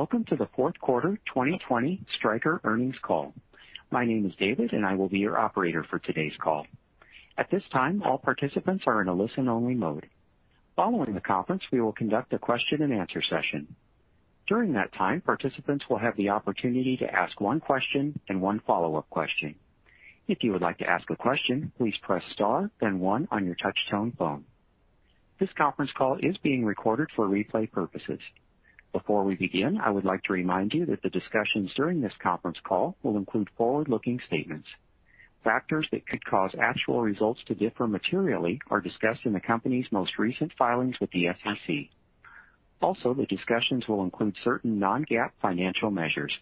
Welcome to the fourth quarter 2020 Stryker earnings call. My name is David and I will be your operator for today's call. At this time, all participants are in a listen-only mode. Following the conference, we will conduct a question and answer session. During that time, participants will have the opportunity to ask one question and one follow-up question. If you would like to ask a question, please press star then one on your touchtone phone. This conference call is being recorded for replay purposes. Before we begin, I would like to remind you that the discussions during this conference call will include forward-looking statements. Factors that could cause actual results to differ materially are discussed in the company's most recent filings with the SEC. The discussions will include certain non-GAAP financial measures.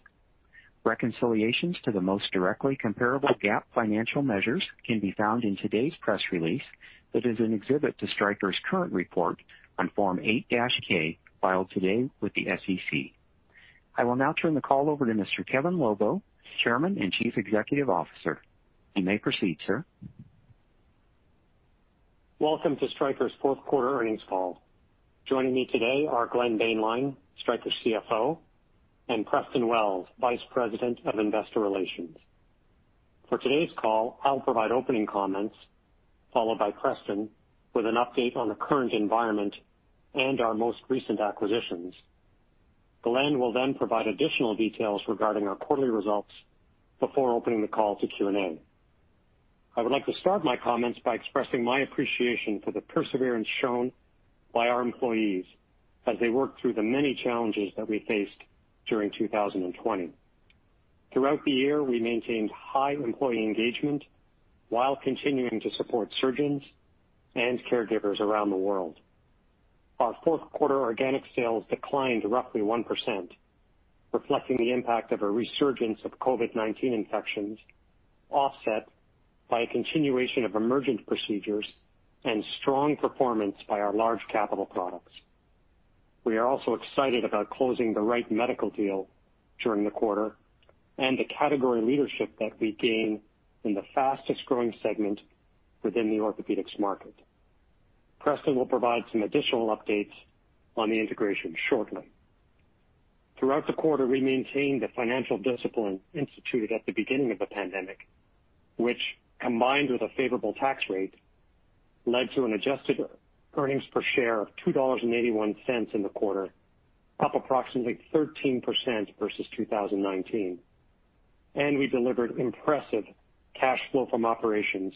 Reconciliations to the most directly comparable GAAP financial measures can be found in today's press release that is an exhibit to Stryker's current report on Form 8-K filed today with the SEC. I will now turn the call over to Mr. Kevin Lobo, Chairman and Chief Executive Officer. You may proceed, sir. Welcome to Stryker's fourth quarter earnings call. Joining me today are Glenn Boehnlein, Stryker CFO, and Preston Wells, Vice President, Investor Relations. For today's call, I'll provide opening comments, followed by Preston with an update on the current environment and our most recent acquisitions. Glenn will provide additional details regarding our quarterly results before opening the call to Q&A. I would like to start my comments by expressing my appreciation for the perseverance shown by our employees as they worked through the many challenges that we faced during 2020. Throughout the year, we maintained high employee engagement while continuing to support surgeons and caregivers around the world. Our fourth quarter organic sales declined roughly 1%, reflecting the impact of a resurgence of COVID-19 infections offset by a continuation of emergent procedures and strong performance by our large capital products. We are also excited about closing the Wright Medical deal during the quarter and the category leadership that we gain in the fastest-growing segment within the orthopedics market. Preston will provide some additional updates on the integration shortly. Throughout the quarter, we maintained the financial discipline instituted at the beginning of the pandemic, which, combined with a favorable tax rate, led to an adjusted earnings per share of $2.81 in the quarter, up approximately 13% versus 2019. We delivered impressive cash flow from operations,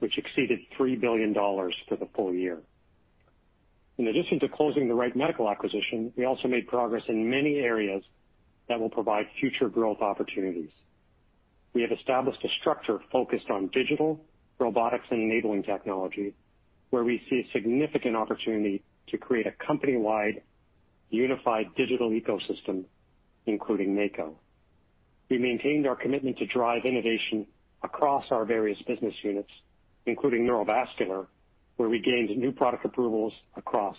which exceeded $3 billion for the full year. In addition to closing the Wright Medical acquisition, we also made progress in many areas that will provide future growth opportunities. We have established a structure focused on digital, robotics, and enabling technology where we see a significant opportunity to create a company-wide unified digital ecosystem, including Mako. We maintained our commitment to drive innovation across our various business units, including neurovascular, where we gained new product approvals across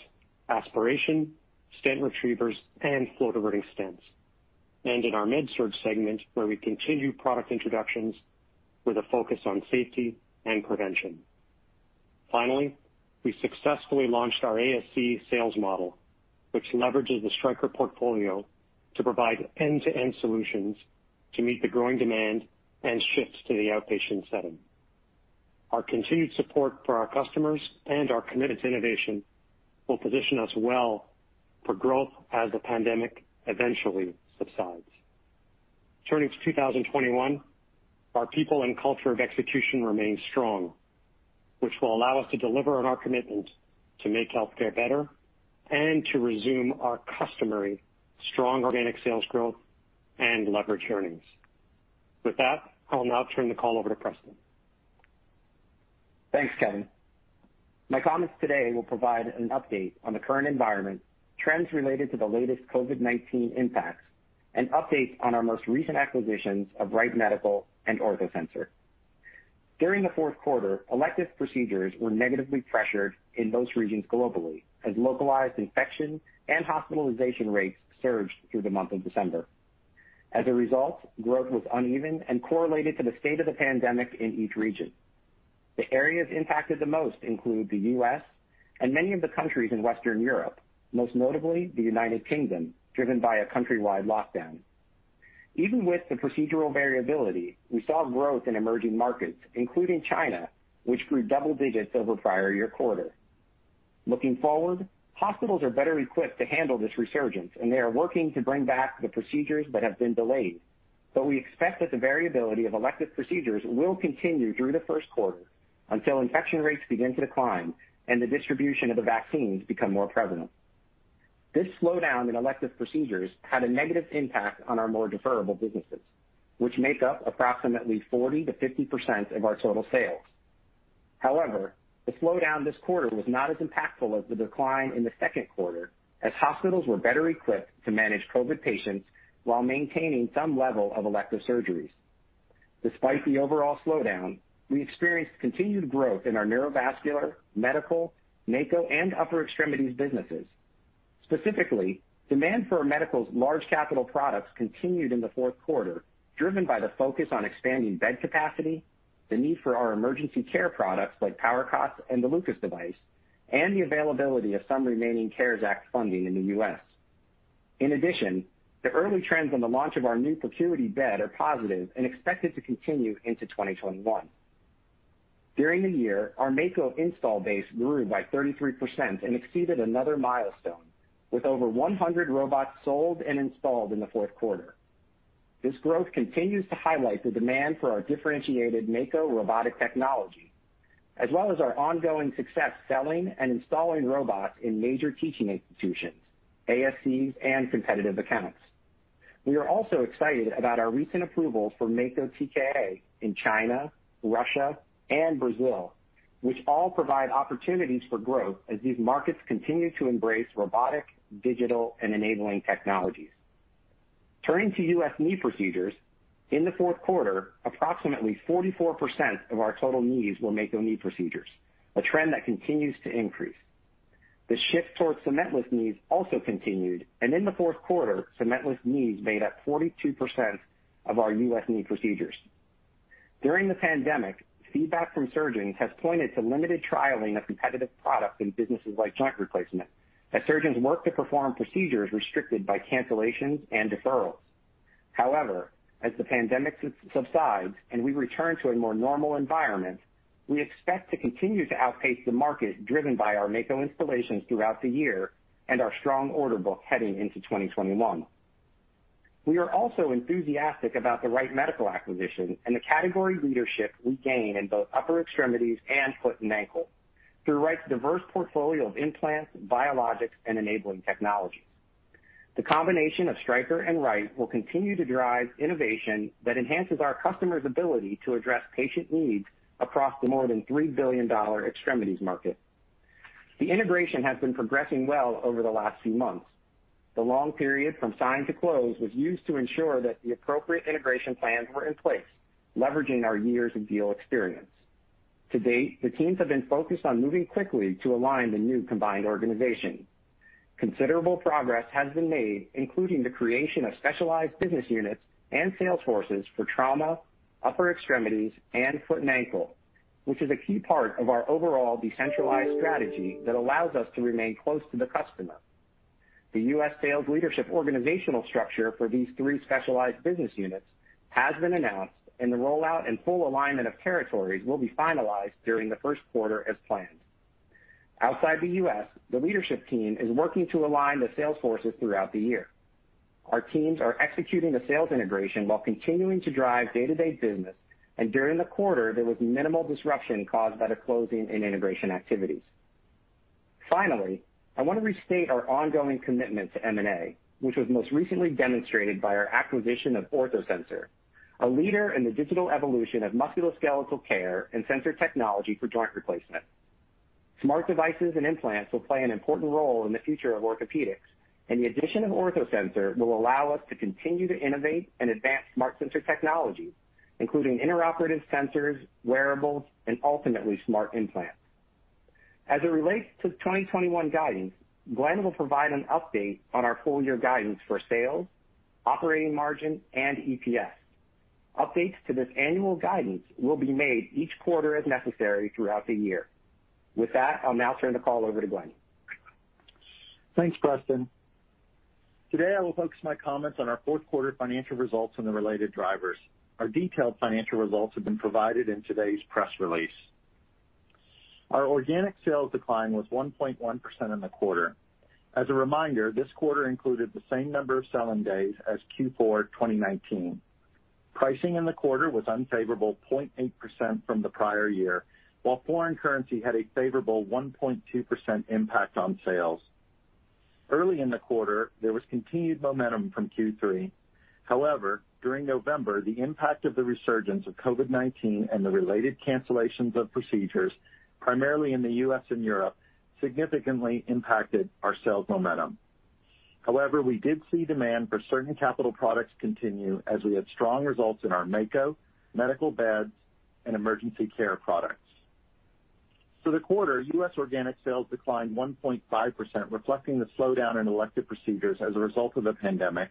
aspiration, stent retrievers, and flow diverting stents, and in our MedSurg segment where we continued product introductions with a focus on safety and prevention. Finally, we successfully launched our ASC sales model, which leverages the Stryker portfolio to provide end-to-end solutions to meet the growing demand and shifts to the outpatient setting. Our continued support for our customers and our commitment to innovation will position us well for growth as the pandemic eventually subsides. Turning to 2021, our people and culture of execution remain strong, which will allow us to deliver on our commitment to make healthcare better and to resume our customary strong organic sales growth and leverage earnings. With that, I'll now turn the call over to Preston. Thanks, Kevin. My comments today will provide an update on the current environment, trends related to the latest COVID-19 impacts, and updates on our most recent acquisitions of Wright Medical and OrthoSensor. During the fourth quarter, elective procedures were negatively pressured in most regions globally as localized infection and hospitalization rates surged through the month of December. As a result, growth was uneven and correlated to the state of the pandemic in each region. The areas impacted the most include the U.S. and many of the countries in Western Europe, most notably the United Kingdom, driven by a country-wide lockdown. Even with the procedural variability, we saw growth in emerging markets, including China, which grew double digits over prior year quarter. Looking forward, hospitals are better equipped to handle this resurgence, and they are working to bring back the procedures that have been delayed. We expect that the variability of elective procedures will continue through the first quarter until infection rates begin to decline and the distribution of the vaccines become more prevalent. This slowdown in elective procedures had a negative impact on our more deferrable businesses, which make up approximately 40%-50% of our total sales. However, the slowdown this quarter was not as impactful as the decline in the second quarter, as hospitals were better equipped to manage COVID patients while maintaining some level of elective surgeries. Despite the overall slowdown, we experienced continued growth in our Neurovascular, Medical, Mako, and upper extremities businesses. Specifically, demand for our Medical's large capital products continued in the fourth quarter, driven by the focus on expanding bed capacity. The need for our emergency care products like PowerCots and the LUCAS device, and the availability of some remaining CARES Act funding in the U.S. In addition, the early trends on the launch of our new ProCuity bed are positive and expected to continue into 2021. During the year, our Mako install base grew by 33% and exceeded another milestone with over 100 robots sold and installed in the fourth quarter. This growth continues to highlight the demand for our differentiated Mako robotic technology, as well as our ongoing success selling and installing robots in major teaching institutions, ASCs, and competitive accounts. We are also excited about our recent approvals for Mako TKA in China, Russia, and Brazil, which all provide opportunities for growth as these markets continue to embrace robotic, digital, and enabling technologies. Turning to U.S. knee procedures, in the fourth quarter, approximately 44% of our total knees were Mako knee procedures, a trend that continues to increase. The shift towards cementless knees also continued. In the fourth quarter, cementless knees made up 42% of our U.S. knee procedures. During the pandemic, feedback from surgeons has pointed to limited trialing of competitive products in businesses like joint replacement, as surgeons work to perform procedures restricted by cancellations and deferrals. However, as the pandemic subsides and we return to a more normal environment, we expect to continue to outpace the market driven by our Mako installations throughout the year and our strong order book heading into 2021. We are also enthusiastic about the Wright Medical acquisition and the category leadership we gain in both upper extremities and foot and ankle through Wright's diverse portfolio of implants, biologics, and enabling technology. The combination of Stryker and Wright will continue to drive innovation that enhances our customers' ability to address patient needs across the more than $3 billion extremities market. The integration has been progressing well over the last few months. The long period from sign to close was used to ensure that the appropriate integration plans were in place, leveraging our years of deal experience. To date, the teams have been focused on moving quickly to align the new combined organization. Considerable progress has been made, including the creation of specialized business units and sales forces for trauma, upper extremities, and foot and ankle, which is a key part of our overall decentralized strategy that allows us to remain close to the customer. The U.S. sales leadership organizational structure for these three specialized business units has been announced, and the rollout and full alignment of territories will be finalized during the first quarter as planned. Outside the U.S., the leadership team is working to align the sales forces throughout the year. Our teams are executing the sales integration while continuing to drive day-to-day business. During the quarter, there was minimal disruption caused by the closing and integration activities. Finally, I want to restate our ongoing commitment to M&A, which was most recently demonstrated by our acquisition of OrthoSensor, a leader in the digital evolution of musculoskeletal care and sensor technology for joint replacement. Smart devices and implants will play an important role in the future of orthopedics, and the addition of OrthoSensor will allow us to continue to innovate and advance smart sensor technology, including intraoperative sensors, wearables, and ultimately, smart implants. As it relates to 2021 guidance, Glenn will provide an update on our full year guidance for sales, operating margin, and EPS. Updates to this annual guidance will be made each quarter as necessary throughout the year. With that, I'll now turn the call over to Glenn. Thanks, Preston. Today, I will focus my comments on our fourth quarter financial results and the related drivers. Our detailed financial results have been provided in today's press release. Our organic sales decline was 1.1% in the quarter. As a reminder, this quarter included the same number of selling days as Q4 2019. Pricing in the quarter was unfavorable 0.8% from the prior year, while foreign currency had a favorable 1.2% impact on sales. Early in the quarter, there was continued momentum from Q3. However, during November, the impact of the resurgence of COVID-19 and the related cancellations of procedures, primarily in the U.S. and Europe, significantly impacted our sales momentum. However, we did see demand for certain capital products continue as we had strong results in our Mako, medical beds, and emergency care products. For the quarter, U.S. organic sales declined 1.5%, reflecting the slowdown in elective procedures as a result of the pandemic,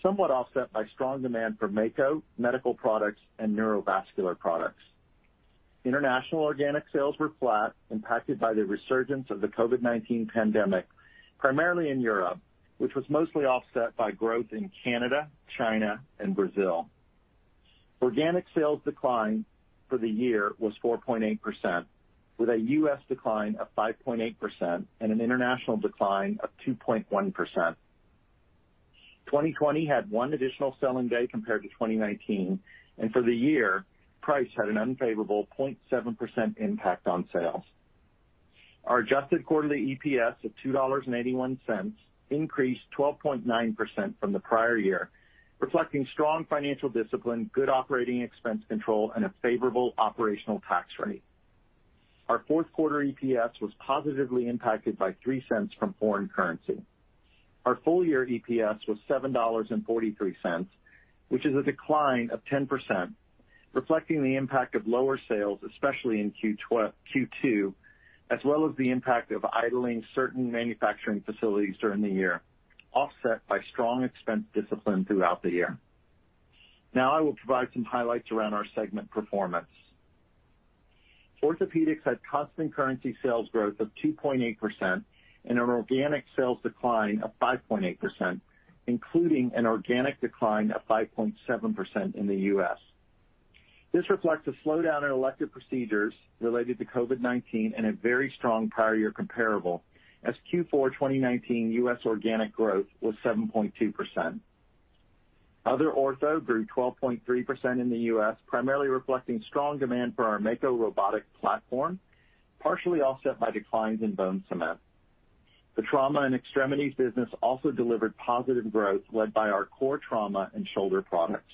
somewhat offset by strong demand for Mako, medical products, and neurovascular products. International organic sales were flat, impacted by the resurgence of the COVID-19 pandemic, primarily in Europe, which was mostly offset by growth in Canada, China, and Brazil. Organic sales decline for the year was 4.8%, with a U.S. decline of 5.8% and an international decline of 2.1%. 2020 had one additional selling day compared to 2019, and for the year, price had an unfavorable 0.7% impact on sales. Our adjusted quarterly EPS of $2.81 increased 12.9% from the prior year, reflecting strong financial discipline, good operating expense control, and a favorable operational tax rate. Our fourth quarter EPS was positively impacted by $0.03 from foreign currency. Our full year EPS was $7.43, which is a decline of 10%, reflecting the impact of lower sales, especially in Q2, as well as the impact of idling certain manufacturing facilities during the year. Offset by strong expense discipline throughout the year. I will provide some highlights around our segment performance. Orthopedics had constant currency sales growth of 2.8% and an organic sales decline of 5.8%, including an organic decline of 5.7% in the U.S. This reflects a slowdown in elective procedures related to COVID-19 and a very strong prior year comparable as Q4 2019 U.S. organic growth was 7.2%. Other Ortho grew 12.3% in the U.S., primarily reflecting strong demand for our Mako robotic platform, partially offset by declines in bone cement. The Trauma & Extremities business also delivered positive growth, led by our core trauma and shoulder products.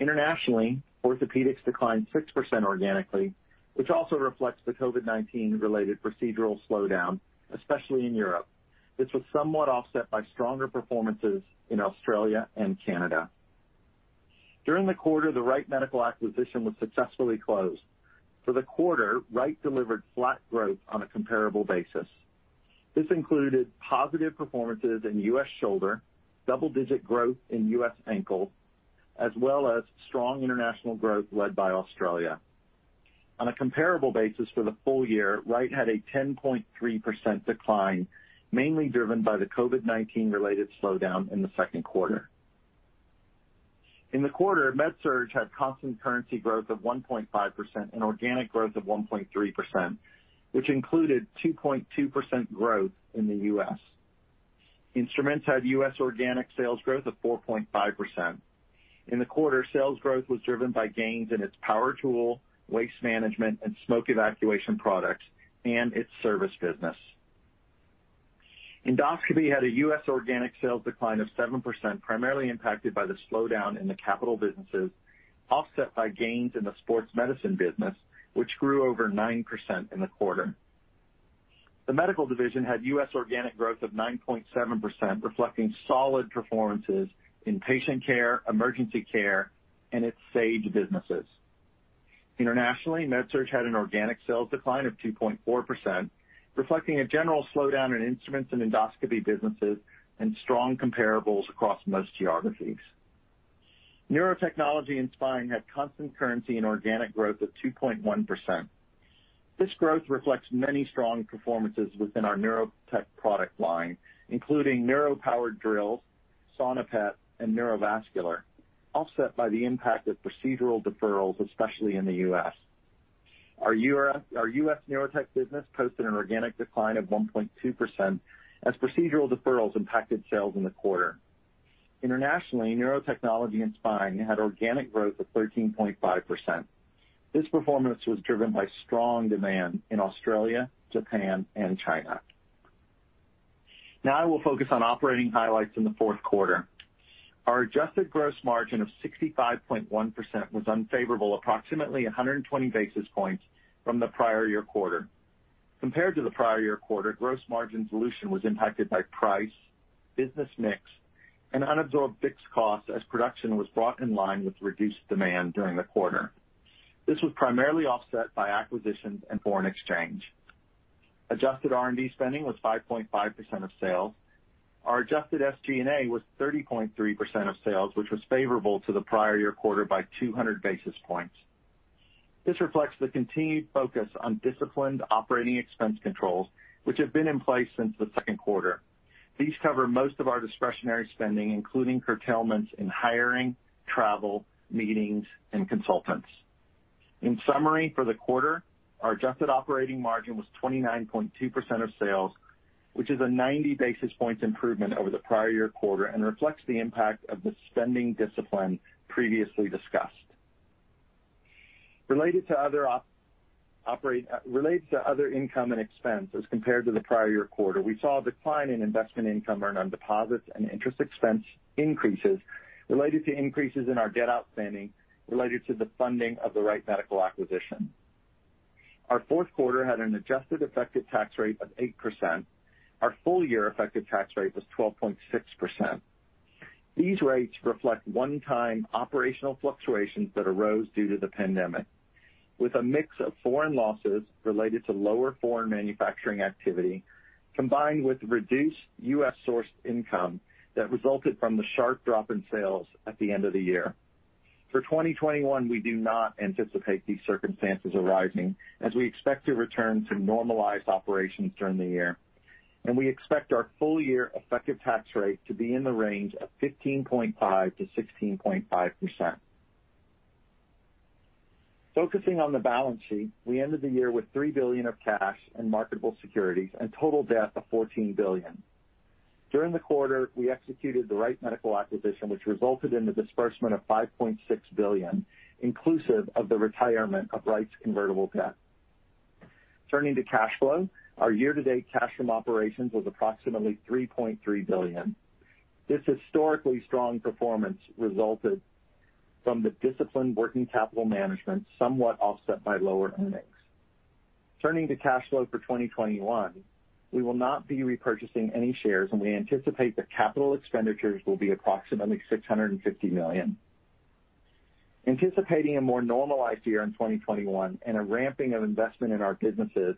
Internationally, orthopedics declined 6% organically, which also reflects the COVID-19 related procedural slowdown, especially in Europe. This was somewhat offset by stronger performances in Australia and Canada. During the quarter, the Wright Medical acquisition was successfully closed. For the quarter, Wright delivered flat growth on a comparable basis. This included positive performances in U.S. shoulder, double-digit growth in U.S. ankle, as well as strong international growth led by Australia. On a comparable basis for the full year, Wright had a 10.3% decline, mainly driven by the COVID-19 related slowdown in the second quarter. In the quarter, MedSurg had constant currency growth of 1.5% and organic growth of 1.3%, which included 2.2% growth in the U.S. Instruments had U.S. organic sales growth of 4.5%. In the quarter, sales growth was driven by gains in its power tool, waste management and smoke evacuation products, and its service business. Endoscopy had a U.S. organic sales decline of 7%, primarily impacted by the slowdown in the capital businesses, offset by gains in the sports medicine business, which grew over 9% in the quarter. The Medical division had U.S. organic growth of 9.7%, reflecting solid performances in patient care, emergency care and its Sage businesses. Internationally, MedSurg had an organic sales decline of 2.4%, reflecting a general slowdown in instruments and endoscopy businesses and strong comparables across most geographies. Neurotechnology and Spine had constant currency and organic growth of 2.1%. This growth reflects many strong performances within our Neurotech product line, including neuro powered drills, Sonopet and Neurovascular, offset by the impact of procedural deferrals, especially in the U.S. Our U.S. Neurotech business posted an organic decline of 1.2% as procedural deferrals impacted sales in the quarter. Internationally, Neurotechnology and Spine had organic growth of 13.5%. This performance was driven by strong demand in Australia, Japan and China. I will focus on operating highlights in the fourth quarter. Our adjusted gross margin of 65.1% was unfavorable approximately 120 basis points from the prior year quarter. Compared to the prior year quarter, gross margin dilution was impacted by price, business mix and unabsorbed fixed costs as production was brought in line with reduced demand during the quarter. This was primarily offset by acquisitions and foreign exchange. Adjusted R&D spending was 5.5% of sales. Our adjusted SG&A was 30.3% of sales, which was favorable to the prior year quarter by 200 basis points. This reflects the continued focus on disciplined operating expense controls, which have been in place since the second quarter. These cover most of our discretionary spending, including curtailments in hiring, travel, meetings, and consultants. In summary, for the quarter, our adjusted operating margin was 29.2% of sales, which is a 90 basis points improvement over the prior year quarter and reflects the impact of the spending discipline previously discussed. Related to other income and expense as compared to the prior year quarter, we saw a decline in investment income earned on deposits and interest expense increases related to increases in our debt outstanding related to the funding of the Wright Medical acquisition. Our fourth quarter had an adjusted effective tax rate of 8%. Our full year effective tax rate was 12.6%. These rates reflect one-time operational fluctuations that arose due to the pandemic, with a mix of foreign losses related to lower foreign manufacturing activity, combined with reduced U.S.-sourced income that resulted from the sharp drop in sales at the end of the year. For 2021, we do not anticipate these circumstances arising as we expect to return to normalized operations during the year, and we expect our full year effective tax rate to be in the range of 15.5%-16.5%. Focusing on the balance sheet, we ended the year with $3 billion of cash and marketable securities and total debt of $14 billion. During the quarter, we executed the Wright Medical acquisition, which resulted in the disbursement of $5.6 billion, inclusive of the retirement of Wright's convertible debt. Turning to cash flow, our year-to-date cash from operations was approximately $3.3 billion. This historically strong performance resulted from the disciplined working capital management, somewhat offset by lower earnings. Turning to cash flow for 2021, we will not be repurchasing any shares, and we anticipate that capital expenditures will be approximately $650 million. Anticipating a more normalized year in 2021 and a ramping of investment in our businesses,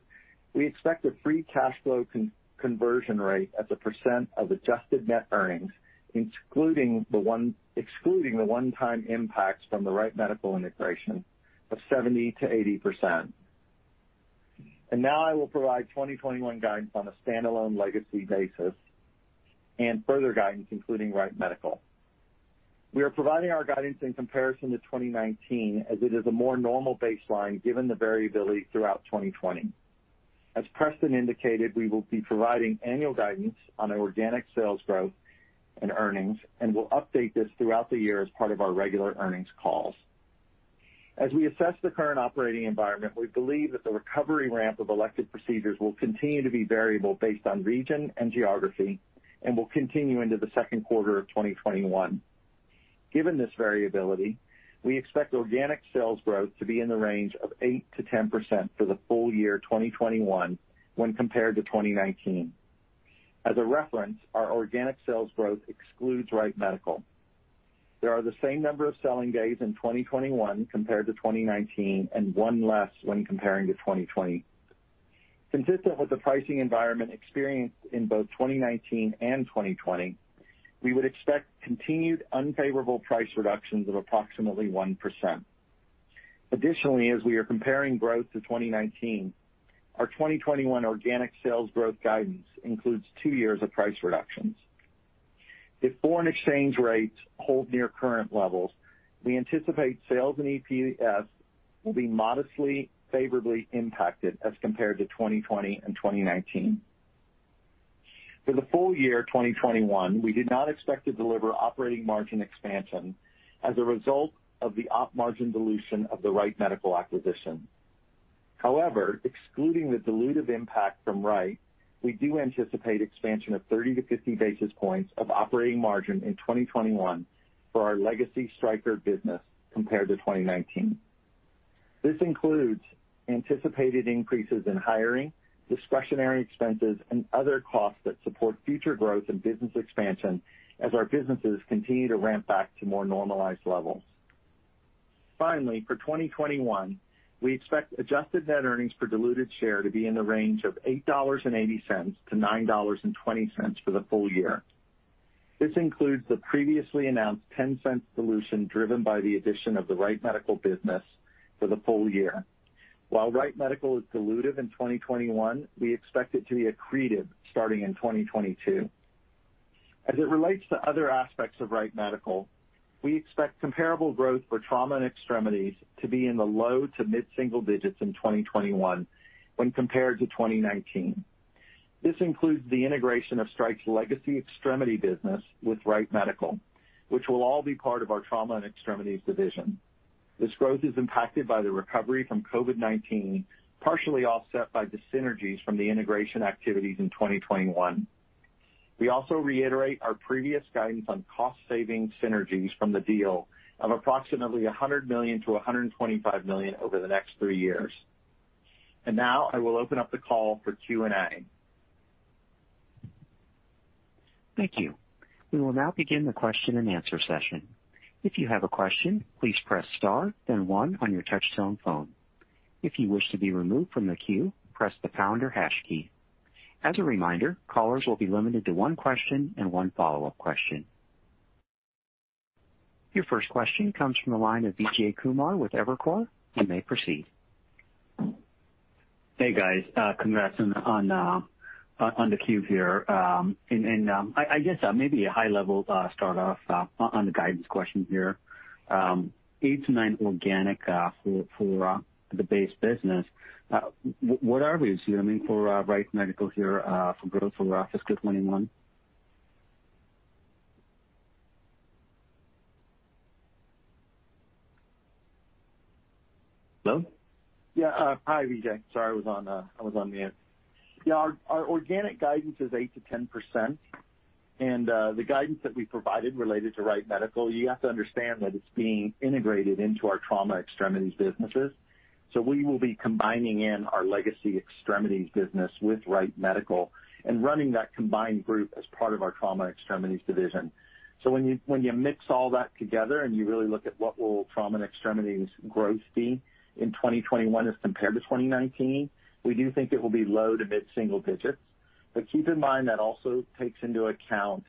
we expect a free cash flow conversion rate as a percent of adjusted net earnings, excluding the one-time impacts from the Wright Medical integration, of 70%-80%. Now I will provide 2021 guidance on a standalone legacy basis and further guidance including Wright Medical. We are providing our guidance in comparison to 2019 as it is a more normal baseline given the variability throughout 2020. As Preston indicated, we will be providing annual guidance on our organic sales growth and earnings and will update this throughout the year as part of our regular earnings calls. As we assess the current operating environment, we believe that the recovery ramp of elected procedures will continue to be variable based on region and geography and will continue into the second quarter of 2021. Given this variability, we expect organic sales growth to be in the range of 8%-10% for the full year 2021 when compared to 2019. As a reference, our organic sales growth excludes Wright Medical. There are the same number of selling days in 2021 compared to 2019, and one less when comparing to 2020. Consistent with the pricing environment experienced in both 2019 and 2020, we would expect continued unfavorable price reductions of approximately 1%. Additionally, as we are comparing growth to 2019, our 2021 organic sales growth guidance includes two years of price reductions. If foreign exchange rates hold near current levels, we anticipate sales and EPS will be modestly favorably impacted as compared to 2020 and 2019. For the full year 2021, we did not expect to deliver operating margin expansion as a result of the op margin dilution of the Wright Medical acquisition. Excluding the dilutive impact from Wright, we do anticipate expansion of 30 to 50 basis points of operating margin in 2021 for our legacy Stryker business compared to 2019. This includes anticipated increases in hiring, discretionary expenses, and other costs that support future growth and business expansion as our businesses continue to ramp back to more normalized levels. Finally, for 2021, we expect adjusted net earnings per diluted share to be in the range of $8.80-$9.20 for the full year. This includes the previously announced $0.10 dilution driven by the addition of the Wright Medical business for the full year. While Wright Medical is dilutive in 2021, we expect it to be accretive starting in 2022. As it relates to other aspects of Wright Medical, we expect comparable growth for Trauma & Extremities to be in the low to mid-single digits in 2021 when compared to 2019. This includes the integration of Stryker's legacy extremity business with Wright Medical, which will all be part of our Trauma & Extremities division. This growth is impacted by the recovery from COVID-19, partially offset by dyssynergies from the integration activities in 2021. We also reiterate our previous guidance on cost-saving synergies from the deal of approximately $100 million-$125 million over the next three years. Now I will open up the call for Q&A. Thank you. We will now begin the question-and-answer session. If you have a question, please press star then one on your touchtone phone. If you wish to be removed from the queue, press the pound or hash key. As a reminder, callers will be limited to one question and one follow-up question. Your first question comes from the line of Vijay Kumar with Evercore. You may proceed. Hey, guys. Congrats on the Q4 here. I guess maybe a high level start off on the guidance question here. 8% to 9% organic for the base business. What are we assuming for Wright Medical here for growth for fiscal 2021? Hello? Hi, Vijay. Sorry, I was on mute. Our organic guidance is 8%-10%, and the guidance that we provided related to Wright Medical, you have to understand that it's being integrated into our Trauma Extremities businesses. We will be combining in our legacy extremities business with Wright Medical and running that combined group as part of our Trauma Extremities division. When you mix all that together and you really look at what will Trauma & Extremities growth be in 2021 as compared to 2019, we do think it will be low to mid-single digits. Keep in mind that also takes into account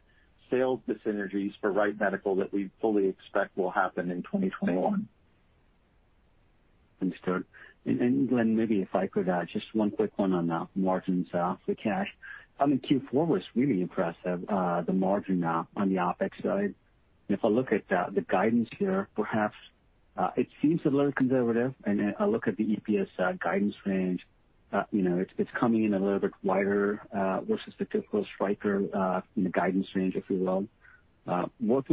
sales dyssynergies for Wright Medical that we fully expect will happen in 2021. Understood. Glenn, maybe if I could add just one quick one on the margins. The cash I mean Q4 was really impressive, the margin on the OpEx side. If I look at the guidance here, perhaps it seems a little conservative, and I look at the EPS guidance range, it's coming in a little bit wider versus the typical Stryker in the guidance range, if you will. I mean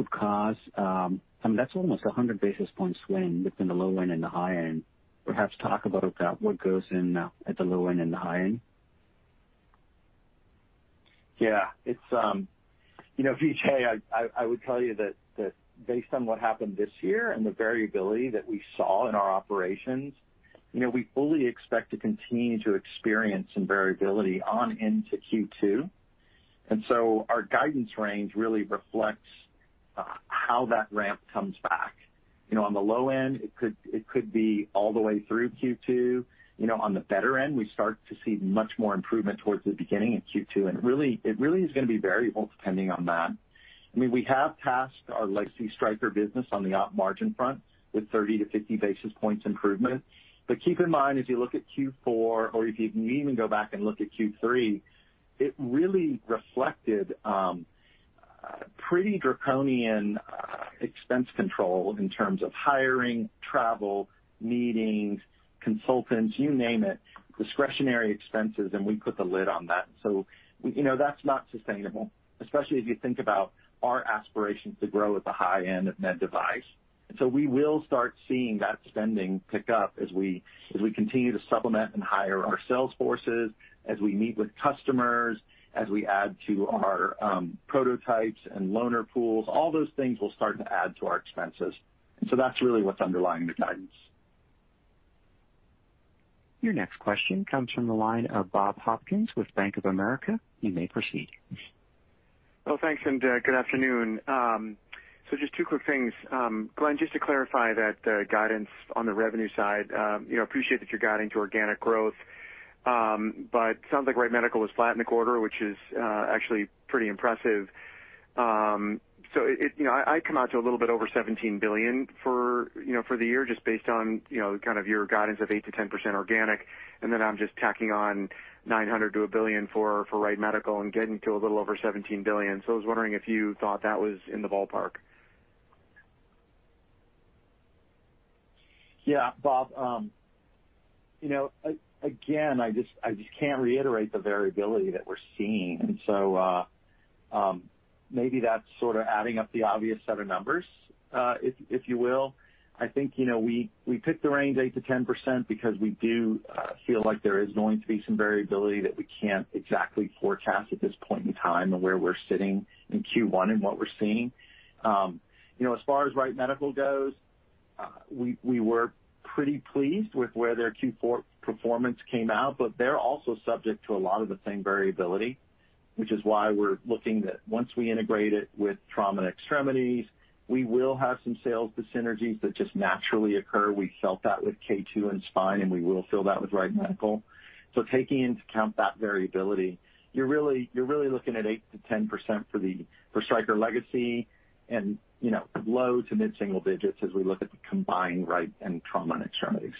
that's almost 100 basis points swing between the low end and the high end. Perhaps talk about what goes in at the low end and the high end. Vijay, I would tell you that based on what happened this year and the variability that we saw in our operations, we fully expect to continue to experience some variability on into Q2. Our guidance range really reflects how that ramp comes back. On the low end, it could be all the way through Q2. On the better end, we start to see much more improvement towards the beginning of Q2. It really is going to be variable depending on that. We have tasked our legacy Stryker business on the op margin front with 30-50 basis points improvement. Keep in mind, as you look at Q4 or if you even go back and look at Q3, it really reflected pretty draconian expense control in terms of hiring, travel, meetings, consultants, you name it, discretionary expenses, and we put the lid on that. That's not sustainable, especially as you think about our aspirations to grow at the high end of med device. We will start seeing that spending pick up as we continue to supplement and hire our sales forces, as we meet with customers, as we add to our prototypes and loaner pools. All those things will start to add to our expenses. That's really what's underlying the guidance. Your next question comes from the line of Bob Hopkins with Bank of America. You may proceed. Well, thanks, and good afternoon. Just two quick things. Glenn, just to clarify that guidance on the revenue side. Appreciate that you're guiding to organic growth. Sounds like Wright Medical was flat in the quarter, which is actually pretty impressive. I come out to a little bit over $17 billion for the year, just based on kind of your guidance of 8%-10% organic, and then I'm just tacking on $900 million to $1 billion for Wright Medical and getting to a little over $17 billion. I was wondering if you thought that was in the ballpark. Yeah, Bob. Again, I just can't reiterate the variability that we're seeing. Maybe that's sort of adding up the obvious set of numbers, if you will. I think we picked the range 8%-10% because we do feel like there is going to be some variability that we can't exactly forecast at this point in time and where we're sitting in Q1 and what we're seeing. As far as Wright Medical goes, we were pretty pleased with where their Q4 performance came out, they're also subject to a lot of the same variability, which is why we're looking that once we integrate it with Trauma & Extremities, we will have some sales synergies that just naturally occur. We felt that with K2M and Spine, we will feel that with Wright Medical. Taking into account that variability, you're really looking at 8%-10% for Stryker legacy and low to mid-single digits as we look at the combined Wright and Trauma & Extremities.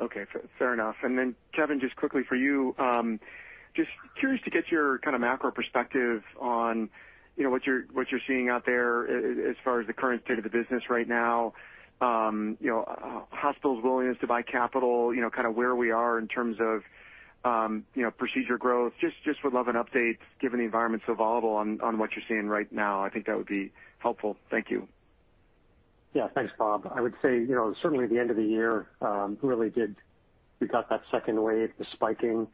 Okay, fair enough. Then Kevin, just quickly for you, just curious to get your kind of macro perspective on what you're seeing out there as far as the current state of the business right now. Hospitals' willingness to buy capital, kind of where we are in terms of procedure growth. Just would love an update, given the environment's so volatile, on what you're seeing right now. I think that would be helpful. Thank you. Yeah, thanks, Bob. I would say, certainly the end of the year really did we got that second wave, the spiking,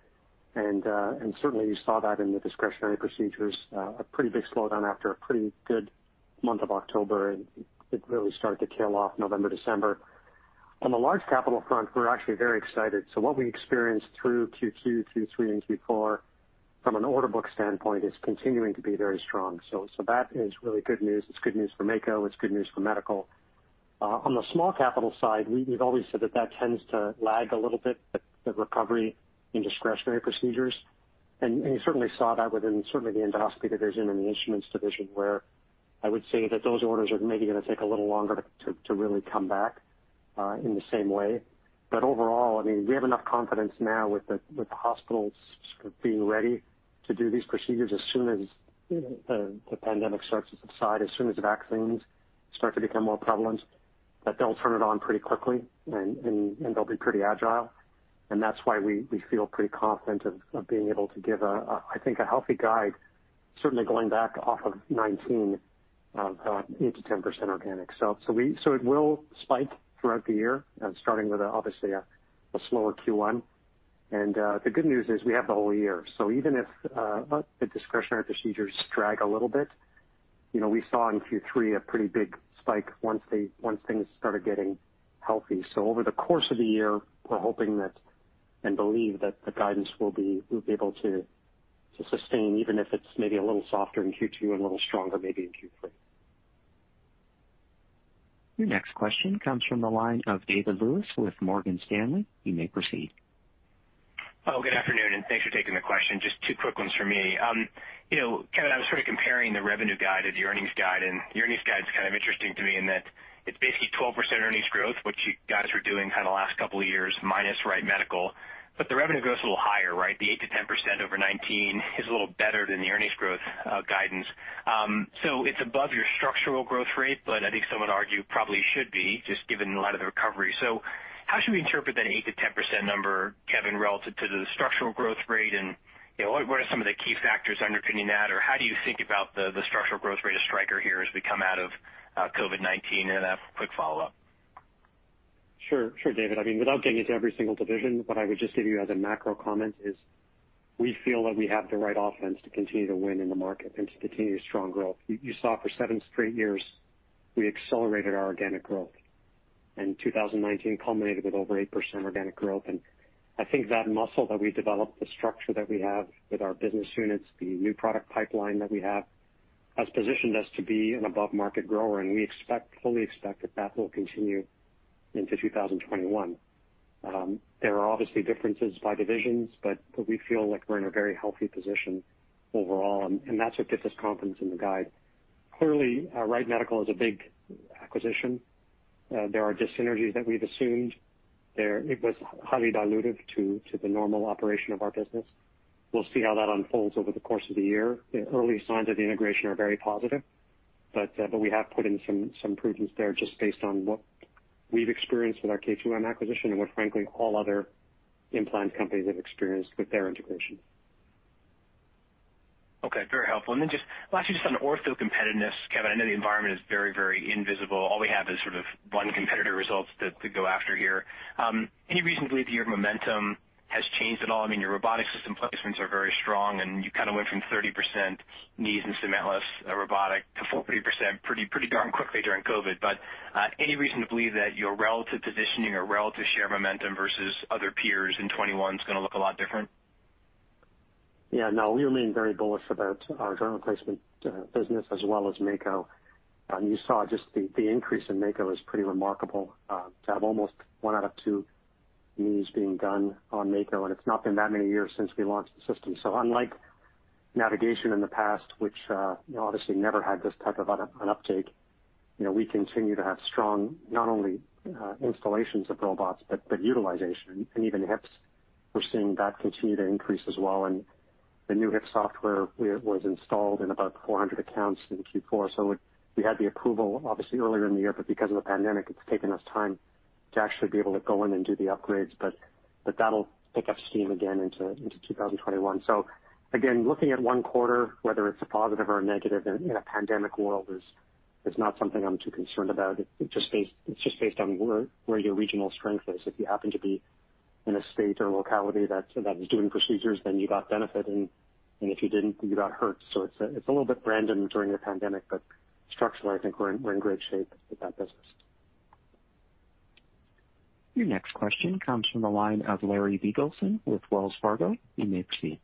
and certainly we saw that in the discretionary procedures, a pretty big slowdown after a pretty good month of October, and it really started to tail off November, December. On the large capital front, we're actually very excited. What we experienced through Q2, Q3, and Q4 from an order book standpoint is continuing to be very strong. That is really good news. It's good news for Mako, it's good news for medical. On the small capital side, we've always said that that tends to lag a little bit, the recovery in discretionary procedures. You certainly saw that within certainly the Endoscopy division and the Instruments division, where I would say that those orders are maybe going to take a little longer to really come back in the same way. Overall, we have enough confidence now with the hospitals sort of being ready to do these procedures as soon as the pandemic starts to subside, as soon as the vaccines start to become more prevalent, that they'll turn it on pretty quickly, and they'll be pretty agile. That's why we feel pretty confident of being able to give, I think, a healthy guide, certainly going back off of 2019, of 8%-10% organic. It will spike throughout the year, starting with obviously a slower Q1. The good news is we have the whole year. Even if the discretionary procedures drag a little bit, we saw in Q3 a pretty big spike once things started getting healthy. Over the course of the year, we're hoping that and believe that the guidance we'll be able to sustain, even if it's maybe a little softer in Q2 and a little stronger maybe in Q3. Your next question comes from the line of David Lewis with Morgan Stanley. You may proceed. Good afternoon, and thanks for taking the question. Just two quick ones for me. Kevin, I was sort of comparing the revenue guide to the earnings guide, and the earnings guide's kind of interesting to me in that it's basically 12% earnings growth, which you guys were doing kind of the last couple of years, minus Wright Medical. The revenue growth's a little higher, right? The 8%-10% over 2019 is a little better than the earnings growth guidance. It's above your structural growth rate, but I think some would argue probably should be, just given a lot of the recovery. How should we interpret that 8%-10% number, Kevin, relative to the structural growth rate, and what are some of the key factors underpinning that? How do you think about the structural growth rate of Stryker here as we come out of COVID-19? I have a quick follow-up. Sure, David. Without getting into every single division, what I would just give you as a macro comment is we feel that we have the right offense to continue to win in the market and to continue strong growth. You saw for seven straight years, we accelerated our organic growth. 2019 culminated with over 8% organic growth. I think that muscle that we developed, the structure that we have with our business units, the new product pipeline that we have, has positioned us to be an above-market grower. We fully expect that that will continue into 2021. There are obviously differences by divisions, but we feel like we're in a very healthy position overall, and that's what gives us confidence in the guide. Clearly, Wright Medical is a big acquisition. There are just synergies that we've assumed. It was highly dilutive to the normal operation of our business. We'll see how that unfolds over the course of the year. The early signs of the integration are very positive. We have put in some prudence there just based on what we've experienced with our K2M acquisition and what, frankly, all other implant companies have experienced with their integration. Very helpful. Just last, just on ortho competitiveness, Kevin, I know the environment is very invisible. All we have is sort of one competitor results to go after here. Any reason to believe your momentum has changed at all? Your robotic system placements are very strong. You kind of went from 30% knees in cementless robotic to 40% pretty darn quickly during COVID. Any reason to believe that your relative positioning or relative share momentum versus other peers in 2021 is going to look a lot different? Yeah, no, we remain very bullish about our joint replacement business as well as Mako. You saw just the increase in Mako is pretty remarkable, to have almost one out of two knees being done on Mako, it's not been that many years since we launched the system. Unlike navigation in the past, which obviously never had this type of an uptake, we continue to have strong not only installations of robots, but utilization. Even hips, we're seeing that continue to increase as well. The new hip software was installed in about 400 accounts in Q4. We had the approval obviously earlier in the year, because of the pandemic, it's taken us time to actually be able to go in and do the upgrades. That'll pick up steam again into 2021. Again, looking at one quarter, whether it's a positive or a negative in a pandemic world is not something I'm too concerned about. It's just based on where your regional strength is. If you happen to be in a state or locality that is doing procedures, then you got benefit, and if you didn't, you got hurt. It's a little bit random during the pandemic, but structurally, I think we're in great shape with that business. Your next question comes from the line of Larry Biegelsen with Wells Fargo. You may proceed.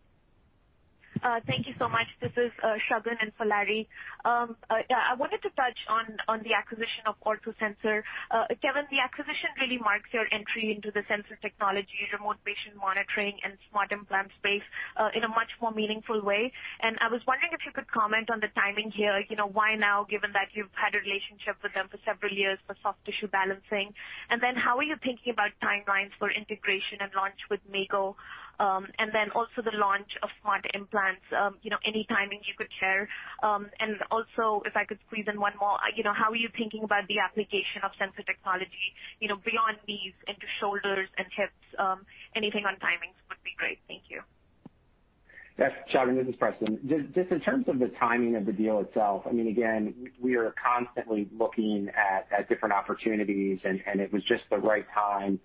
Thank you so much. This is Shagun, in for Larry. I wanted to touch on the acquisition of OrthoSensor. Kevin, the acquisition really marks your entry into the sensor technology, remote patient monitoring, and smart implant space, in a much more meaningful way. I was wondering if you could comment on the timing here. Why now, given that you've had a relationship with them for several years for soft tissue balancing? How are you thinking about timelines for integration and launch with Mako? Also the launch of smart implants, any timing you could share. Also, if I could squeeze in one more. How are you thinking about the application of sensor technology beyond knees into shoulders and hips? Anything on timings would be great. Thank you. Yes, Shagun, this is Preston. Just in terms of the timing of the deal itself, again, we are constantly looking at different opportunities, and it was just the right time,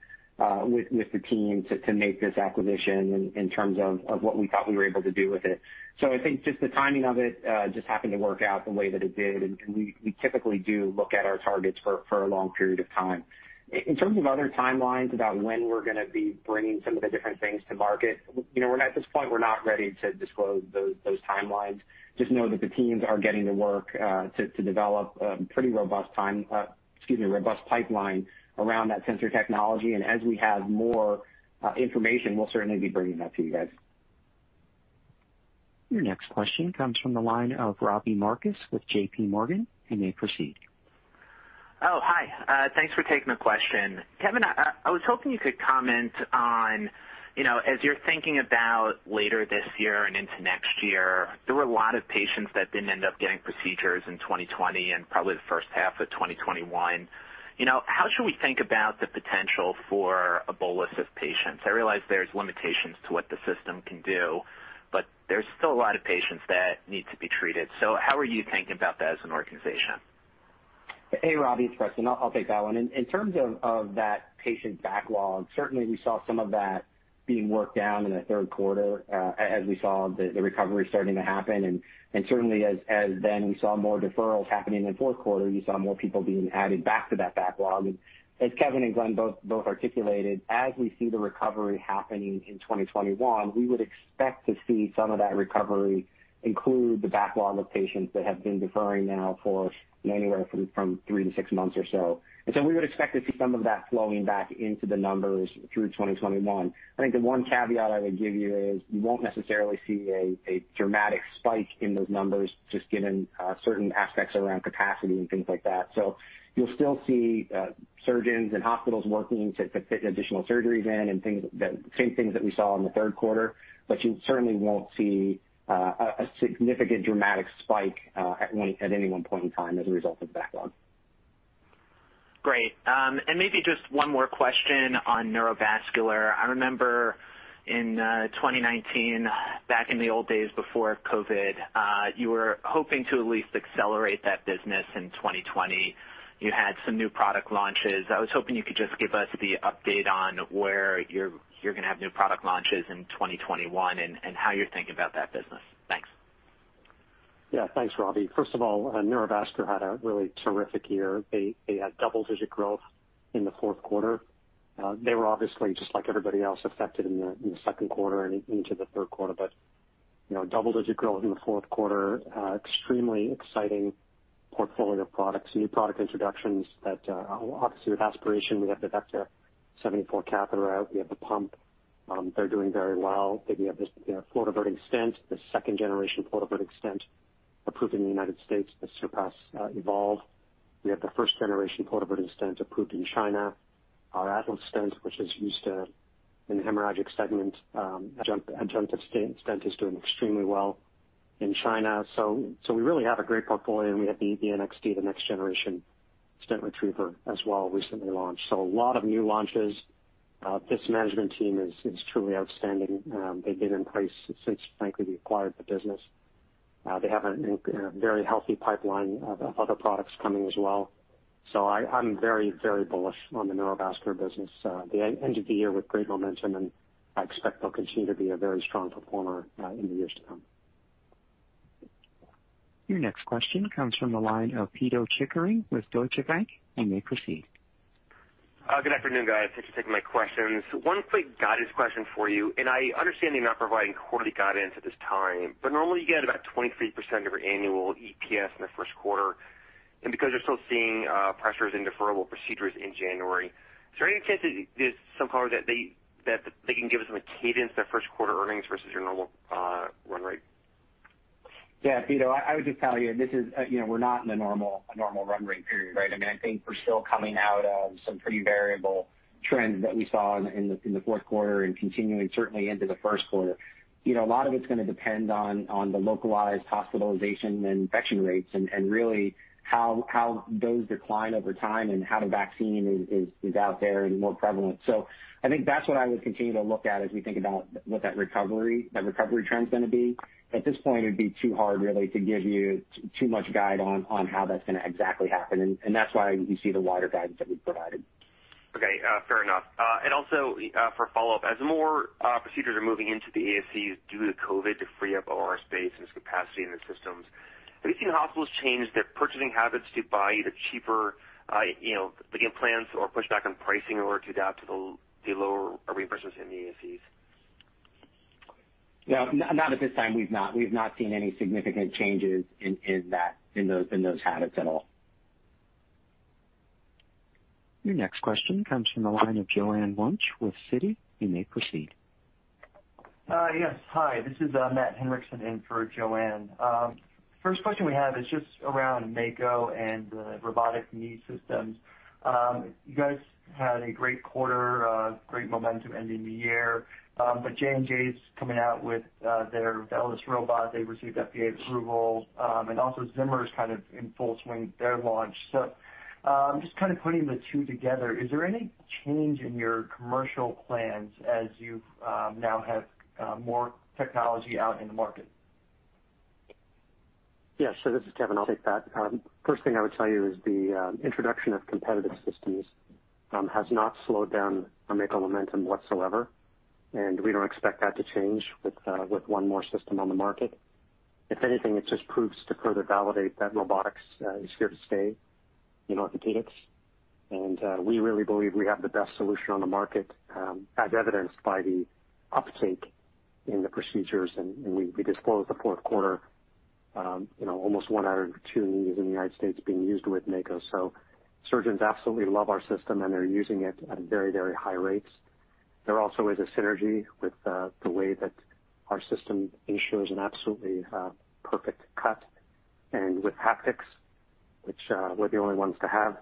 with the team to make this acquisition in terms of what we thought we were able to do with it. I think just the timing of it, just happened to work out the way that it did, and we typically do look at our targets for a long period of time. In terms of other timelines about when we're going to be bringing some of the different things to market. At this point, we're not ready to disclose those timelines. Just know that the teams are getting to work, to develop a pretty robust pipeline around that sensor technology, and as we have more information, we'll certainly be bringing that to you guys. Your next question comes from the line of Robbie Marcus with JPMorgan. You may proceed. Oh, hi. Thanks for taking the question. Kevin, I was hoping you could comment on, as you're thinking about later this year and into next year, there were a lot of patients that didn't end up getting procedures in 2020 and probably the first half of 2021. How should we think about the potential for a bolus of patients? I realize there's limitations to what the system can do, but there's still a lot of patients that need to be treated. How are you thinking about that as an organization? Hey, Robbie, it's Preston. I'll take that one. In terms of that patient backlog, certainly we saw some of that being worked down in the third quarter, as we saw the recovery starting to happen. Certainly as we saw more deferrals happening in the fourth quarter, you saw more people being added back to that backlog. As Kevin and Glenn both articulated, as we see the recovery happening in 2021, we would expect to see some of that recovery include the backlog of patients that have been deferring now for anywhere from three to six months or so. We would expect to see some of that flowing back into the numbers through 2021. I think the one caveat I would give you is you won't necessarily see a dramatic spike in those numbers, just given certain aspects around capacity and things like that. You'll still see surgeons and hospitals working to fit additional surgeries in and the same things that we saw in the third quarter. You certainly won't see a significant dramatic spike at any one point in time as a result of the backlog. Great. Maybe just one more question on Neurovascular. I remember in 2019, back in the old days before COVID, you were hoping to at least accelerate that business in 2020. You had some new product launches. I was hoping you could just give us the update on where you're going to have new product launches in 2021 and how you're thinking about that business. Thanks. Thanks, Robbie. Neurovascular had a really terrific year. They had double-digit growth in the fourth quarter. They were obviously, just like everybody else, affected in the second quarter and into the third quarter. Double-digit growth in the fourth quarter, extremely exciting portfolio of products, new product introductions that obviously with aspiration, we have the Vecta 74 catheter out. We have the pump. They're doing very well. They have this flow diverter stent, the second generation flow diverter stent approved in the United States, the Surpass Evolve. We have the first generation flow diverter stent approved in China. Our Atlas stent, which is used in the hemorrhagic segment, adjunctive stent, is doing extremely well in China. We really have a great portfolio, and we have the NXT, the next generation stent retriever as well, recently launched. A lot of new launches. This management team is truly outstanding. They've been in place since, frankly, we acquired the business. They have a very healthy pipeline of other products coming as well. I'm very bullish on the Neurovascular business. They ended the year with great momentum, and I expect they'll continue to be a very strong performer in the years to come. Your next question comes from the line of Pito Chickering with Deutsche Bank, and you may proceed. Good afternoon, guys. Thanks for taking my questions. One quick guidance question for you, and I understand that you're not providing quarterly guidance at this time, but normally you get about 23% of your annual EPS in the first quarter, and because you're still seeing pressures in deferrable procedures in January, is there any chance that they can give us a cadence their first quarter earnings versus your normal run rate? Pito, I would just tell you we're not in a normal run rate period, right. I think we're still coming out of some pretty variable trends that we saw in the fourth quarter and continuing certainly into the first quarter. A lot of it's going to depend on the localized hospitalization and infection rates and really how those decline over time and how the vaccine is out there and more prevalent. I think that's what I would continue to look at as we think about what that recovery trend's going to be. At this point, it would be too hard really to give you too much guide on how that's going to exactly happen, and that's why you see the wider guidance that we've provided. Okay. Fair enough. Also, for follow-up, as more procedures are moving into the ASC due to COVID to free up OR space and its capacity in the systems, have you seen hospitals change their purchasing habits to buy either cheaper implants or push back on pricing in order to adapt to the lower reimbursements in the ASCs? No, not at this time. We've not seen any significant changes in those habits at all. Your next question comes from the line of Joanne Wuensch with Citi. You may proceed. Yes, hi. This is Matt Henriksson in for Joanne. First question we have is just around Mako and the robotic knee systems. You guys had a great quarter, great momentum ending the year. J&J's coming out with their VELYS robot. They received FDA approval. Also Zimmer's kind of in full swing their launch. Just kind of putting the two together, is there any change in your commercial plans as you now have more technology out in the market? This is Kevin, I'll take that. First thing I would tell you is the introduction of competitive systems has not slowed down our Mako momentum whatsoever, and we don't expect that to change with one more system on the market. If anything, it just proves to further validate that robotics is here to stay in orthopedics, and we really believe we have the best solution on the market, as evidenced by the uptake in the procedures. We disclosed the fourth quarter, almost one out of two knees in the United States being used with Mako. Surgeons absolutely love our system, and they're using it at very high rates. There also is a synergy with the way that our system ensures an absolutely perfect cut and with haptics, which we're the only ones to have.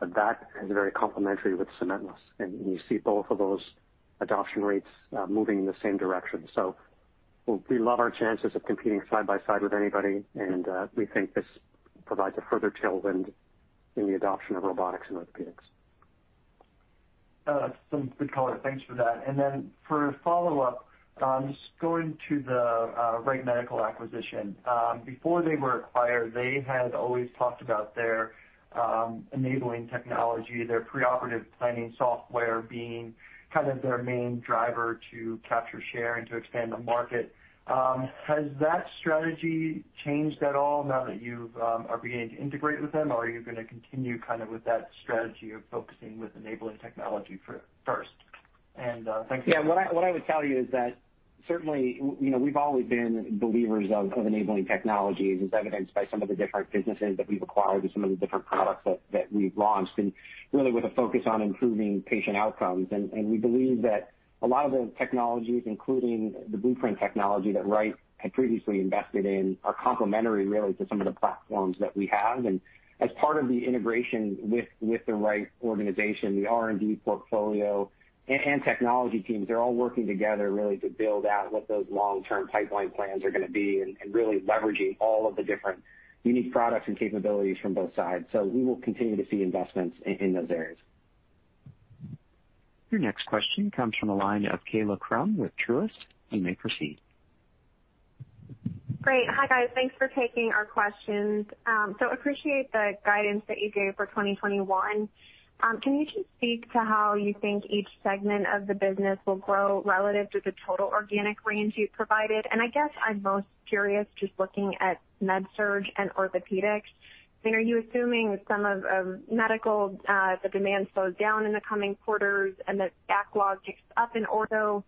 That is very complementary with cementless, and you see both of those adoption rates moving in the same direction. We love our chances of competing side by side with anybody, and we think this provides a further tailwind in the adoption of robotics in orthopedics. Some good color. Thanks for that. For follow-up, just going to the Wright Medical acquisition. Before they were acquired, they had always talked about their enabling technology, their preoperative planning software being kind of their main driver to capture, share, and to expand the market. Has that strategy changed at all now that you are beginning to integrate with them, or are you going to continue kind of with that strategy of focusing with enabling technology first? Thanks. Yeah. What I would tell you is that certainly, we've always been believers of enabling technologies, as evidenced by some of the different businesses that we've acquired and some of the different products that we've launched, and really with a focus on improving patient outcomes. We believe that a lot of the technologies, including the Blueprint technology that Wright had previously invested in, are complementary really to some of the platforms that we have. As part of the integration with the Wright organization, the R&D portfolio and technology teams are all working together really to build out what those long-term pipeline plans are going to be and really leveraging all of the different unique products and capabilities from both sides. We will continue to see investments in those areas. Your next question comes from the line of Kaila Krum with Truist. You may proceed. Great. Hi, guys. Thanks for taking our questions. Appreciate the guidance that you gave for 2021. Can you just speak to how you think each segment of the business will grow relative to the total organic range you provided? I guess I'm most curious just looking at MedSurg and Orthopedics. I mean, are you assuming that some of medical, the demand slows down in the coming quarters and that backlog picks up in ortho?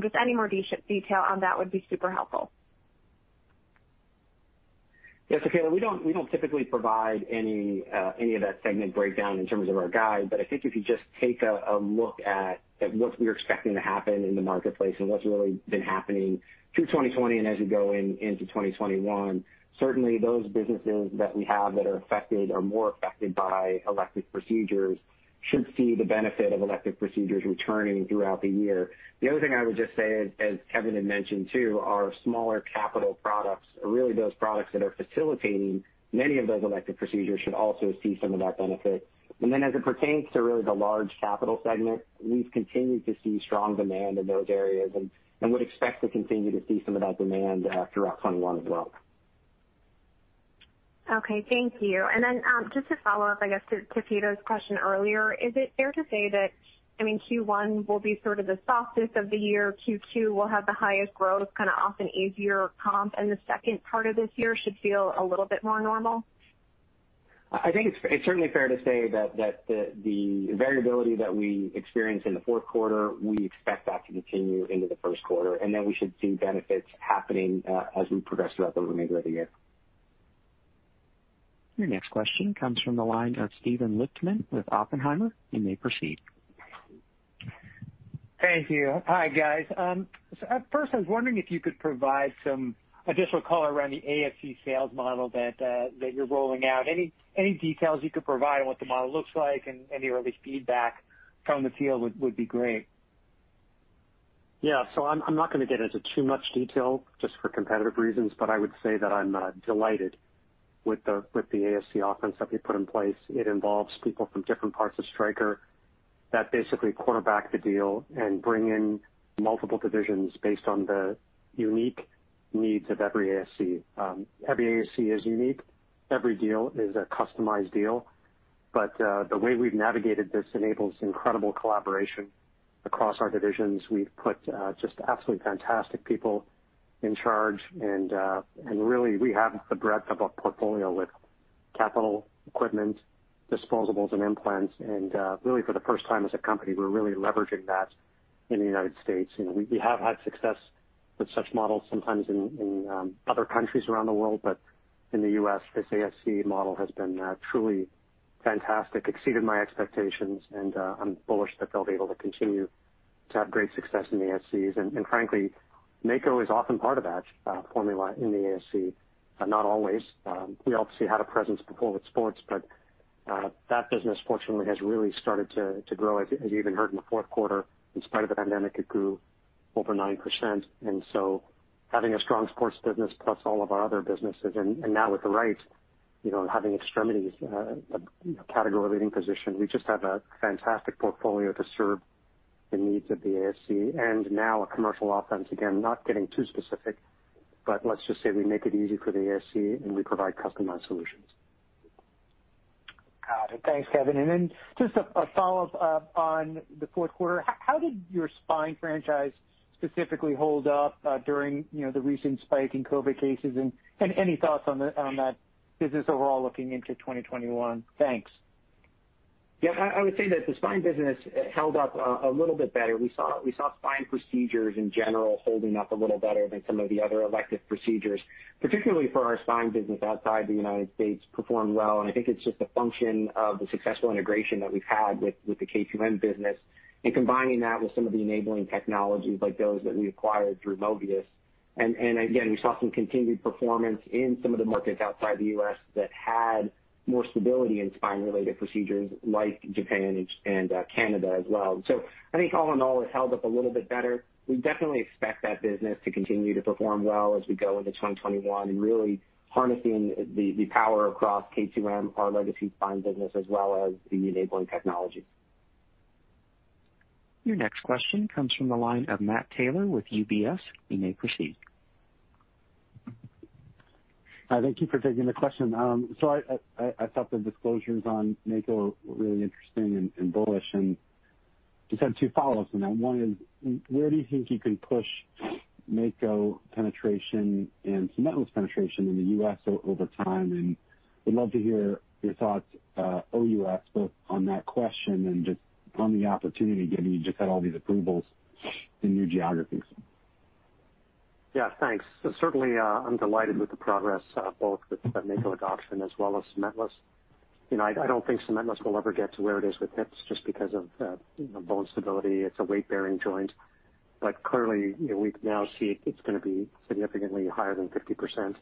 Just any more detail on that would be super helpful. Yes. Kaila, we don't typically provide any of that segment breakdown in terms of our guide. I think if you just take a look at what we're expecting to happen in the marketplace and what's really been happening through 2020 and as we go into 2021, certainly those businesses that we have that are affected or more affected by elective procedures should see the benefit of elective procedures returning throughout the year. The other thing I would just say, as Kevin had mentioned too, our smaller capital products, or really those products that are facilitating many of those elective procedures, should also see some of that benefit. As it pertains to really the large capital segment, we've continued to see strong demand in those areas and would expect to continue to see some of that demand throughout 2021 as well. Okay. Thank you. Just to follow up, I guess, to Pito's question earlier, is it fair to say that, I mean, Q1 will be sort of the softest of the year, Q2 will have the highest growth, kind of off an easier comp, and the second part of this year should feel a little bit more normal? I think it's certainly fair to say that the variability that we experienced in the fourth quarter, we expect that to continue into the first quarter, and then we should see benefits happening as we progress throughout the remainder of the year. Your next question comes from the line of Steven Lichtman with Oppenheimer. You may proceed. Thank you. Hi, guys. First I was wondering if you could provide some additional color around the ASC sales model that you're rolling out. Any details you could provide on what the model looks like and any early feedback from the field would be great. Yeah. I'm not going to get into too much detail just for competitive reasons, but I would say that I'm delighted with the ASC offense that we put in place. It involves people from different parts of Stryker that basically quarterback the deal and bring in multiple divisions based on the unique needs of every ASC. Every ASC is unique. Every deal is a customized deal. The way we've navigated this enables incredible collaboration across our divisions. We've put just absolutely fantastic people in charge and really, we have the breadth of a portfolio with capital equipment, disposables, and implants, and really for the first time as a company, we're really leveraging that in the United States. We have had success with such models sometimes in other countries around the world, but in the U.S., this ASC model has been truly fantastic. Exceeded my expectations. I'm bullish that they'll be able to continue to have great success in the ASCs. Frankly, Mako is often part of that formula in the ASC, but not always. We obviously had a presence before with sports. That business fortunately has really started to grow. As you even heard in the fourth quarter, in spite of the pandemic, it grew over 9%. Having a strong sports business plus all of our other businesses, and now with Wright, having extremities category leading position, we just have a fantastic portfolio to serve the needs of the ASC. Now a commercial offense. Again, not getting too specific, but let's just say we make it easy for the ASC, and we provide customized solutions. Got it. Thanks, Kevin. Then just a follow-up on the fourth quarter. How did your spine franchise specifically hold up during the recent spike in COVID cases? Any thoughts on that business overall looking into 2021? Thanks. Yeah. I would say that the spine business held up a little bit better. We saw spine procedures in general holding up a little better than some of the other elective procedures, particularly for our spine business outside the U.S., performed well, and I think it's just a function of the successful integration that we've had with the K2M business and combining that with some of the enabling technologies like those that we acquired through Mobius. Again, we saw some continued performance in some of the markets outside the U.S. that had more stability in spine related procedures, like Japan and Canada as well. I think all in all, it held up a little bit better. We definitely expect that business to continue to perform well as we go into 2021 and really harnessing the power across K2M, our legacy spine business, as well as the enabling technology. Your next question comes from the line of Matt Taylor with UBS. You may proceed. Thank you for taking the question. I thought the disclosures on Mako were really interesting and bullish. Just have two follow-ups on that. One is, where do you think you can push Mako penetration and cementless penetration in the U.S. over time? Would love to hear your thoughts, OUS, both on that question and just on the opportunity given you just had all these approvals in new geographies. Yeah, thanks. Certainly, I'm delighted with the progress, both with Mako adoption as well as cementless. I don't think cementless will ever get to where it is with hips just because of bone stability. It's a weight bearing joint. Clearly, we now see it's going to be significantly higher than 50%,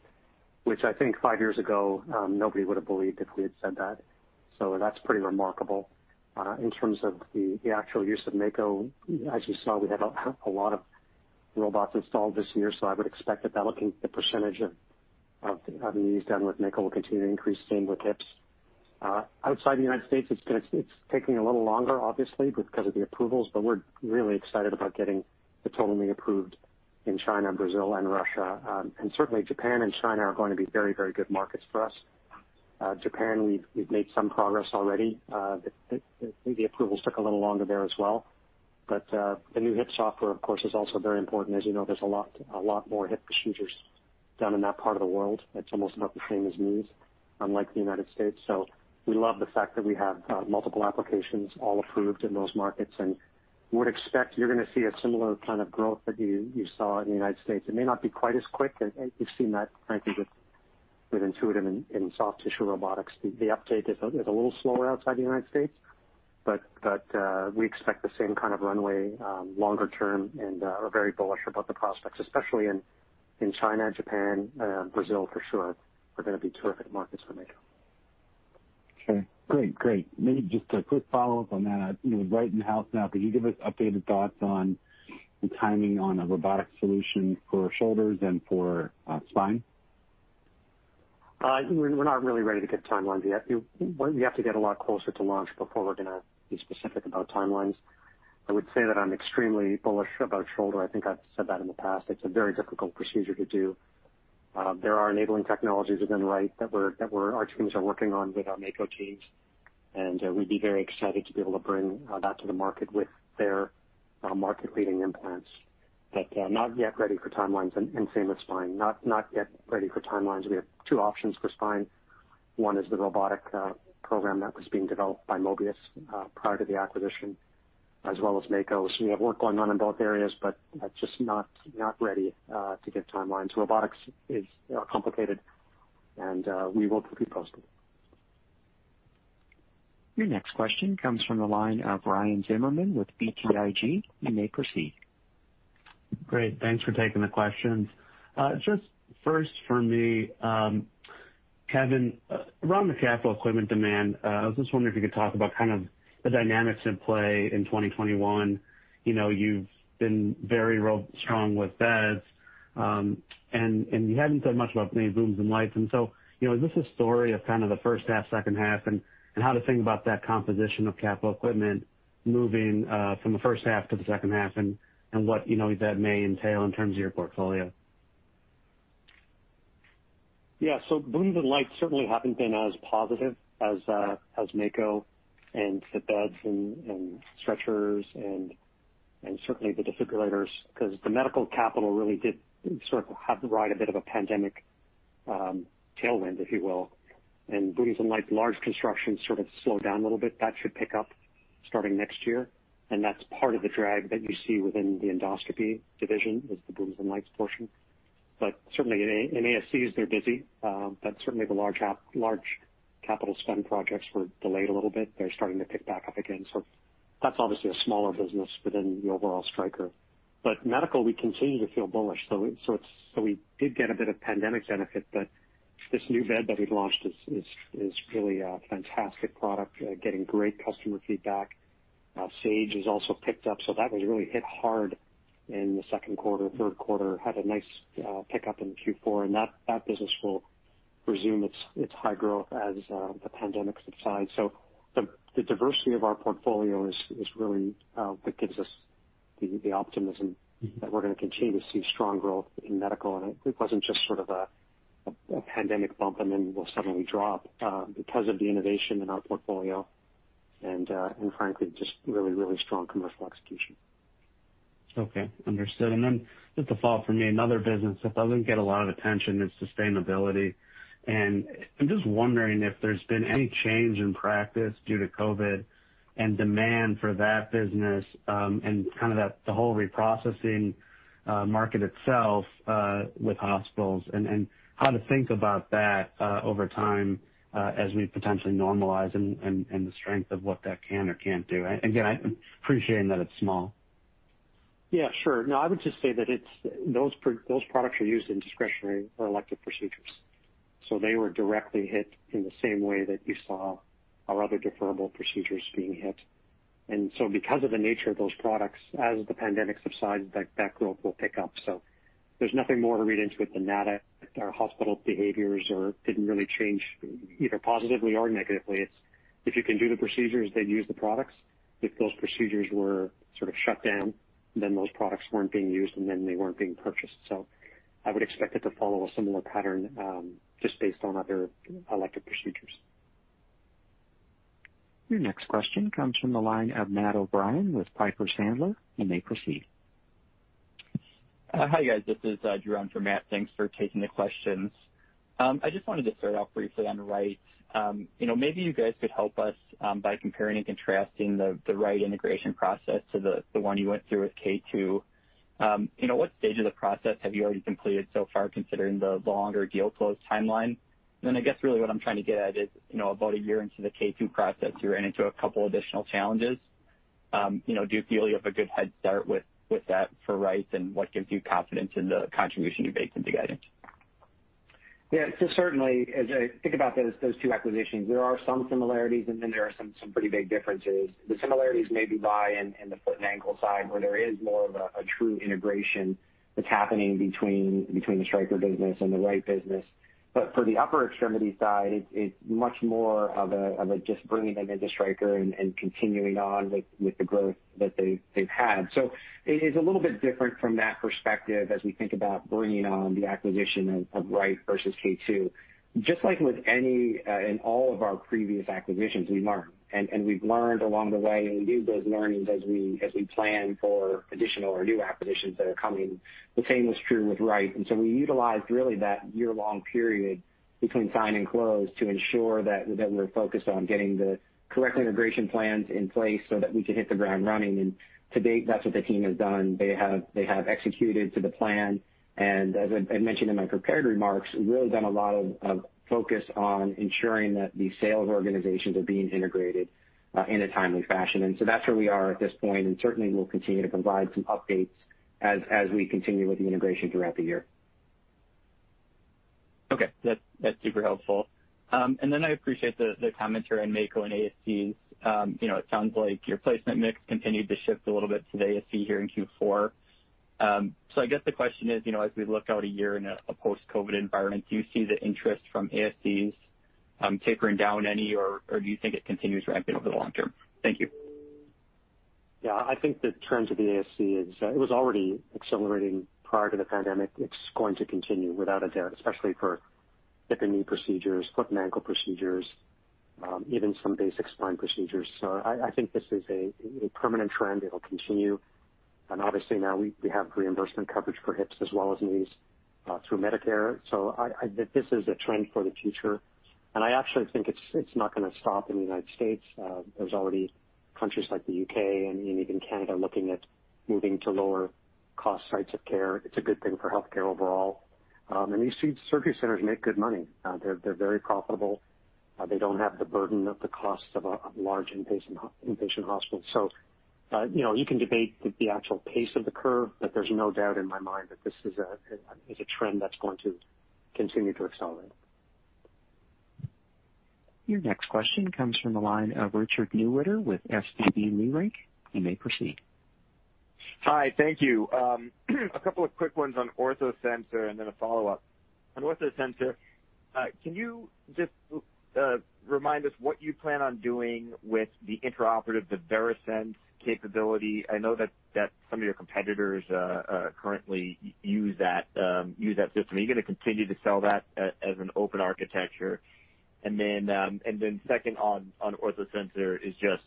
which I think five years ago, nobody would have believed if we had said that. That's pretty remarkable. In terms of the actual use of Mako, as you saw, we had a lot of robots installed this year, I would expect that looking at the percentage of the knees done with Mako, we'll continue to increase the same with hips. Outside the United States, it's taking a little longer, obviously, because of the approvals, we're really excited about getting the total knee approved in China, Brazil, and Russia. Certainly, Japan and China are going to be very good markets for us. Japan, we've made some progress already. The approvals took a little longer there as well. The new hip software, of course, is also very important. As you know, there's a lot more hip procedures done in that part of the world. It's almost about the same as knees, unlike the United States. We love the fact that we have multiple applications all approved in those markets, and would expect you're going to see a similar kind of growth that you saw in the United States. It may not be quite as quick, and we've seen that, frankly, with Intuitive in soft tissue robotics. The uptake is a little slower outside the United States, but we expect the same kind of runway longer term and are very bullish about the prospects, especially in China, Japan, Brazil, for sure, are going to be terrific markets for Mako. Okay. Great. Maybe just a quick follow-up on that. Wright in-house now, could you give us updated thoughts on the timing on a robotic solution for shoulders and for spine? We're not really ready to give timelines yet. We have to get a lot closer to launch before we're going to be specific about timelines. I would say that I'm extremely bullish about shoulder. I think I've said that in the past. It's a very difficult procedure to do. There are enabling technologies within Wright that our teams are working on with our Mako teams, and we'd be very excited to be able to bring that to the market with their market-leading implants. Not yet ready for timelines and same with spine. Not yet ready for timelines. We have two options for spine. One is the robotic program that was being developed by Mobius prior to the acquisition, as well as Mako's. We have work going on in both areas, just not ready to give timelines. Robotics is complicated, we will keep you posted. Your next question comes from the line of Ryan Zimmerman with BTIG. You may proceed. Great. Thanks for taking the questions. Just first for me, Kevin, around the capital equipment demand, I was just wondering if you could talk about kind of the dynamics in play in 2021. You've been very strong with beds, and you haven't said much about rooms and lights. Is this a story of kind of the first half, second half, and how to think about that composition of capital equipment moving from the first half to the second half and what that may entail in terms of your portfolio? Yeah. Rooms and lights certainly haven't been as positive as Mako and the beds and stretchers and certainly the defibrillators, because the medical capital really did sort of have to ride a bit of a pandemic tailwind, if you will. Rooms and lights, large construction sort of slowed down a little bit. That should pick up starting next year. That's part of the drag that you see within the endoscopy division, is the rooms and lights portion. Certainly in ASCs, they're busy. Certainly the large capital spend projects were delayed a little bit. They're starting to pick back up again. That's obviously a smaller business within the overall Stryker. Medical, we continue to feel bullish. We did get a bit of pandemic benefit, but this new bed that we've launched is really a fantastic product, getting great customer feedback. Sage has also picked up. That was really hit hard in the second quarter, third quarter. It had a nice pickup in Q4, and that business will resume its high growth as the pandemic subsides. The diversity of our portfolio is really what gives us the optimism that we're going to continue to see strong growth in medical, and it wasn't just sort of a pandemic bump and then will suddenly drop because of the innovation in our portfolio and frankly, just really strong commercial execution. Okay. Understood. Then just to follow up for me, another business that doesn't get a lot of attention is sustainability. I'm just wondering if there's been any change in practice due to COVID and demand for that business, and kind of the whole reprocessing market itself with hospitals and how to think about that over time as we potentially normalize and the strength of what that can or can't do. Again, I'm appreciating that it's small. Yeah, sure. No, I would just say that those products are used in discretionary or elective procedures. They were directly hit in the same way that you saw our other deferrable procedures being hit. Because of the nature of those products, as the pandemic subsides, that growth will pick up. There's nothing more to read into it than that. Our hospital behaviors didn't really change either positively or negatively. It's if you can do the procedures, then use the products. If those procedures were sort of shut down, then those products weren't being used, and then they weren't being purchased. I would expect it to follow a similar pattern, just based on other elective procedures. Your next question comes from the line of Matt O'Brien with Piper Sandler. You may proceed. Hi, guys. This is Jerome for Matt. Thanks for taking the questions. I just wanted to start off briefly on Wright. Maybe you guys could help us by comparing and contrasting the Wright integration process to the one you went through with K2M. What stage of the process have you already completed so far, considering the longer deal close timeline? I guess really what I'm trying to get at is, about a year into the K2M process, you ran into a couple additional challenges. Do you feel you have a good head start with that for Wright, and what gives you confidence in the contribution you've made to the guidance? Yeah. Certainly, as I think about those two acquisitions, there are some similarities and then there are some pretty big differences. The similarities may be in the foot and ankle side, where there is more of a true integration that's happening between the Stryker business and the Wright business. For the upper extremity side, it's much more of just bringing them into Stryker and continuing on with the growth that they've had. It's a little bit different from that perspective as we think about bringing on the acquisition of Wright versus K2M. Just like with any, in all of our previous acquisitions, we learn, and we've learned along the way, and we use those learnings as we plan for additional or new acquisitions that are coming. The same was true with Wright. We utilized really that year-long period between sign and close to ensure that we're focused on getting the correct integration plans in place so that we could hit the ground running. To date, that's what the team has done. They have executed to the plan and, as I mentioned in my prepared remarks, really done a lot of focus on ensuring that the sales organizations are being integrated in a timely fashion. That's where we are at this point, and certainly we'll continue to provide some updates as we continue with the integration throughout the year. Okay. That's super helpful. I appreciate the commentary on Mako and ASCs. It sounds like your placement mix continued to shift a little bit to the ASC here in Q4. I guess the question is, as we look out a year in a post-COVID environment, do you see the interest from ASCs tapering down any or do you think it continues ramping over the long term? Thank you. Yeah, I think the trend to the ASC, it was already accelerating prior to the pandemic. It's going to continue, without a doubt, especially for hip and knee procedures, foot and ankle procedures, even some basic spine procedures. I think this is a permanent trend. It'll continue. Obviously now we have reimbursement coverage for hips as well as knees through Medicare. This is a trend for the future, and I actually think it's not going to stop in the United States. There's already countries like the U.K. and even Canada looking at moving to lower cost sites of care. It's a good thing for healthcare overall. These surgery centers make good money. They're very profitable. They don't have the burden of the costs of a large inpatient hospital. You can debate the actual pace of the curve, but there's no doubt in my mind that this is a trend that's going to continue to accelerate. Your next question comes from the line of Richard Newitter with SVB Leerink. You may proceed. Hi. Thank you. A couple of quick ones on OrthoSensor and then a follow-up. On OrthoSensor, can you just remind us what you plan on doing with the intraoperative, the VERASENSE capability? I know that some of your competitors currently use that system. Are you going to continue to sell that as an open architecture? Then second on OrthoSensor is just,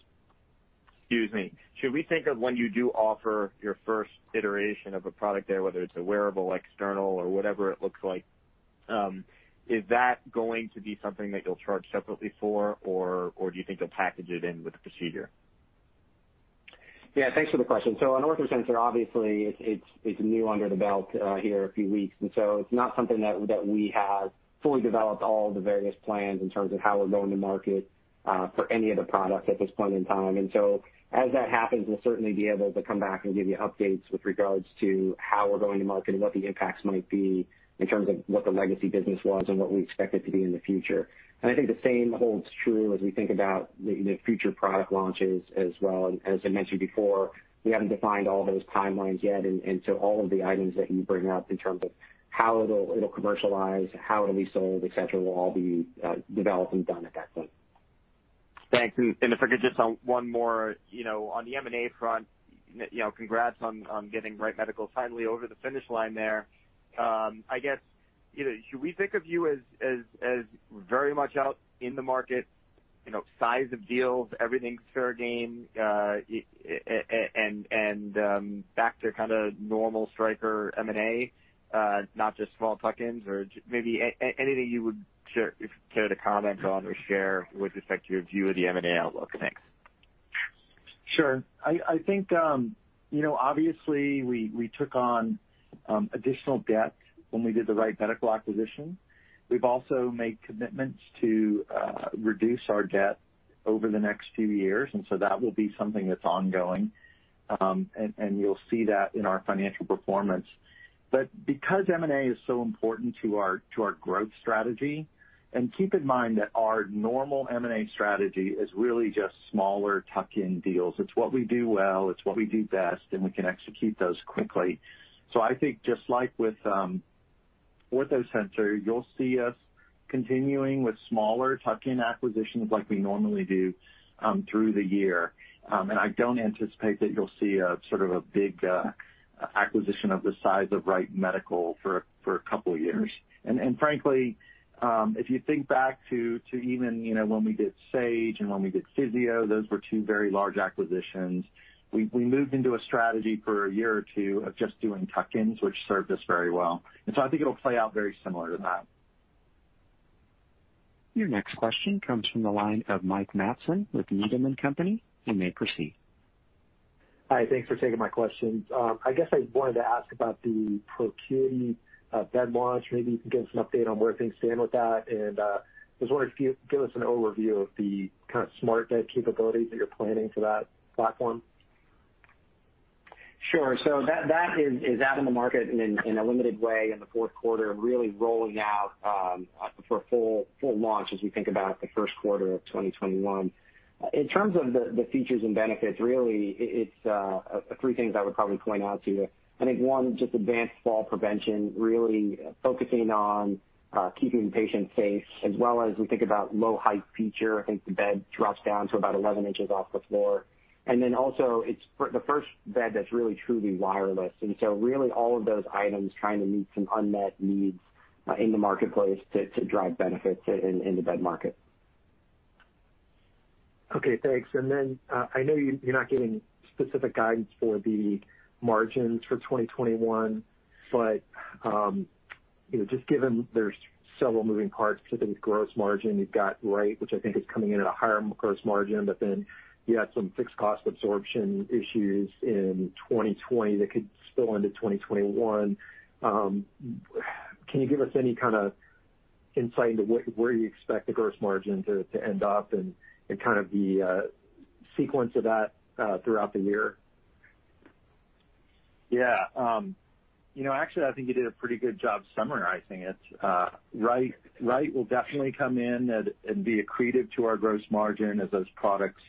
should we think of when you do offer your first iteration of a product there, whether it's a wearable, external, or whatever it looks like, is that going to be something that you'll charge separately for, or do you think you'll package it in with the procedure? Yeah, thanks for the question. On OrthoSensor, obviously it's new under the belt here a few weeks, and it's not something that we have fully developed all the various plans in terms of how we're going to market for any of the products at this point in time. As that happens, we'll certainly be able to come back and give you updates with regards to how we're going to market and what the impacts might be in terms of what the legacy business was and what we expect it to be in the future. I think the same holds true as we think about the future product launches as well. As I mentioned before, we haven't defined all those timelines yet. All of the items that you bring up in terms of how it'll commercialize, how it'll be sold, et cetera, will all be developed and done at that point. Thanks. If I could, just on one more. On the M&A front, congrats on getting Wright Medical finally over the finish line there. I guess, should we think of you as very much out in the market, size of deals, everything's fair game, and back to kind of normal Stryker M&A, not just small tuck-ins? Maybe anything you would care to comment on or share with respect to your view of the M&A outlook? Thanks. Sure. I think, obviously we took on additional debt when we did the Wright Medical acquisition. We've also made commitments to reduce our debt over the next few years, that will be something that's ongoing. You'll see that in our financial performance. Because M&A is so important to our growth strategy, keep in mind that our normal M&A strategy is really just smaller tuck-in deals. It's what we do well, it's what we do best, we can execute those quickly. I think just like with OrthoSensor, you'll see us continuing with smaller tuck-in acquisitions like we normally do through the year. I don't anticipate that you'll see a sort of a big acquisition of the size of Wright Medical for a couple of years. Frankly, if you think back to even when we did Sage and when we did Physio, those were two very large acquisitions. We moved into a strategy for a year or two of just doing tuck-ins, which served us very well. I think it'll play out very similar to that. Your next question comes from the line of Mike Matson with Needham & Company. You may proceed. Hi. Thanks for taking my questions. I guess I wanted to ask about the ProCuity bed launch. Maybe you can give us an update on where things stand with that. I was wondering if you could give us an overview of the kind of smart bed capability that you're planning for that platform. Sure. That is out in the market in a limited way in the fourth quarter, really rolling out for full launch as we think about the first quarter of 2021. In terms of the features and benefits, really, it's three things I would probably point out to you. I think one, just advanced fall prevention, really focusing on keeping patients safe as well as we think about low height feature. I think the bed drops down to about 11 in off the floor. Also it's the first bed that's really truly wireless. Really all of those items trying to meet some unmet needs in the marketplace to drive benefits in the bed market. Okay, thanks. I know you're not giving specific guidance for the margins for 2021, just given there's several moving parts to the gross margin, you've got Wright, which I think is coming in at a higher gross margin, you had some fixed cost absorption issues in 2020 that could spill into 2021. Can you give us any kind of insight into where you expect the gross margin to end up and kind of the sequence of that throughout the year? Yeah. Actually, I think you did a pretty good job summarizing it. Wright will definitely come in and be accretive to our gross margin as those products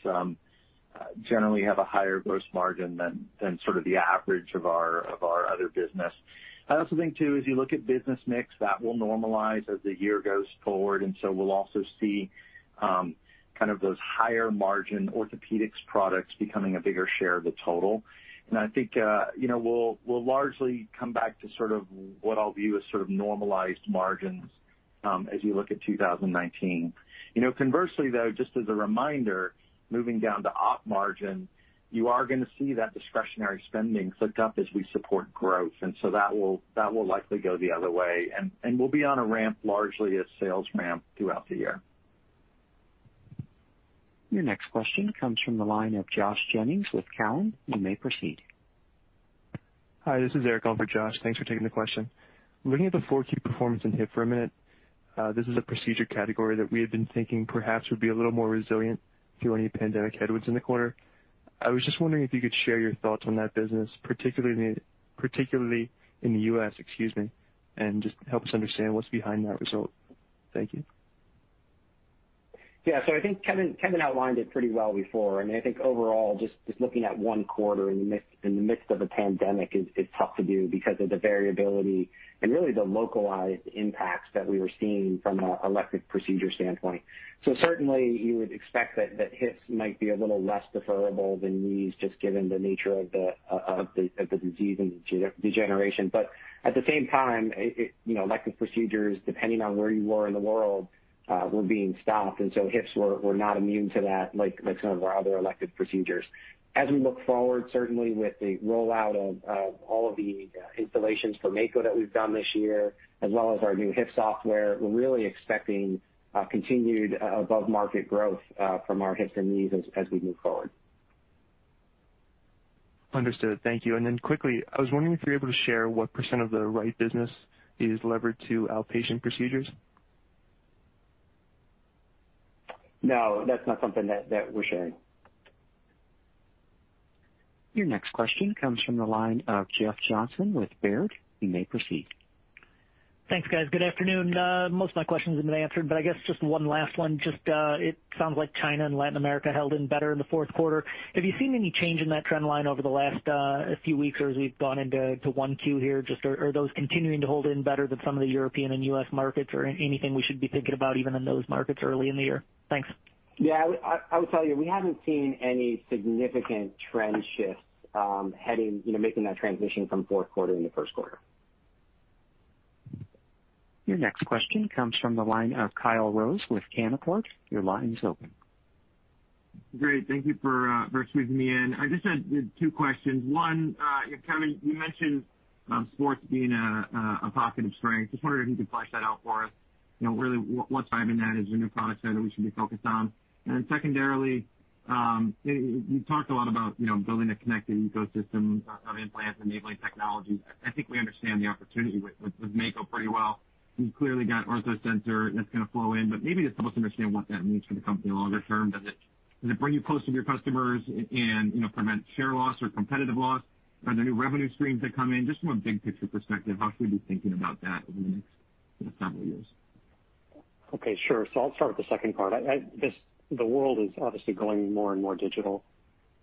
generally have a higher gross margin than sort of the average of our other business. I also think too, as you look at business mix, that will normalize as the year goes forward, and so we'll also see kind of those higher margin orthopedics products becoming a bigger share of the total. I think we'll largely come back to sort of what I'll view as sort of normalized margins as you look at 2019. Conversely though, just as a reminder, moving down to op margin, you are going to see that discretionary spending flick up as we support growth. That will likely go the other way, and we'll be on a ramp largely a sales ramp throughout the year. Your next question comes from the line of Josh Jennings with Cowen. You may proceed. Hi, this is Eric on for Josh. Thanks for taking the question. Looking at the 4Q performance in hip for a minute, this is a procedure category that we had been thinking perhaps would be a little more resilient to any pandemic headwinds in the quarter. I was just wondering if you could share your thoughts on that business, particularly in the U.S., excuse me, and just help us understand what's behind that result. Thank you. I think Kevin outlined it pretty well before. I think overall, just looking at one quarter in the midst of a pandemic is tough to do because of the variability and really the localized impacts that we were seeing from an elective procedure standpoint. Certainly you would expect that hips might be a little less deferrable than knees, just given the nature of the disease and degeneration. At the same time, elective procedures, depending on where you were in the world, were being stopped, hips were not immune to that like some of our other elective procedures. As we look forward, certainly with the rollout of all of the installations for Mako that we've done this year, as well as our new hip software, we're really expecting continued above-market growth from our hips and knees as we move forward. Understood. Thank you. Then quickly, I was wondering if you're able to share what percent of the Wright business is levered to outpatient procedures? No, that's not something that we're sharing. Your next question comes from the line of Jeff Johnson with Baird. You may proceed. Thanks, guys. Good afternoon. Most of my questions have been answered, I guess just one last one. Just, it sounds like China and Latin America held in better in the fourth quarter. Have you seen any change in that trend line over the last few weeks or as we've gone into 1Q here? Just are those continuing to hold in better than some of the European and U.S. markets or anything we should be thinking about even in those markets early in the year? Thanks. Yeah. I would tell you, we haven't seen any significant trend shifts making that transition from fourth quarter into first quarter. Your next question comes from the line of Kyle Rose with Canaccord. Your line is open. Great. Thank you for squeezing me in. I just had two questions. One, Kevin, you mentioned sports being a pocket of strength. Just wondering if you could flesh that out for us. Really, what's driving that? Is there new products there that we should be focused on? Secondarily, you talked a lot about building a connected ecosystem of implants, enabling technology. I think we understand the opportunity with Mako pretty well. You've clearly got OrthoSensor that's going to flow in, but maybe just help us understand what that means for the company longer term. Does it bring you closer to your customers and prevent share loss or competitive loss? Are there new revenue streams that come in? Just from a big picture perspective, how should we be thinking about that over the next several years? Okay, sure. I'll start with the second part. The world is obviously going more and more digital.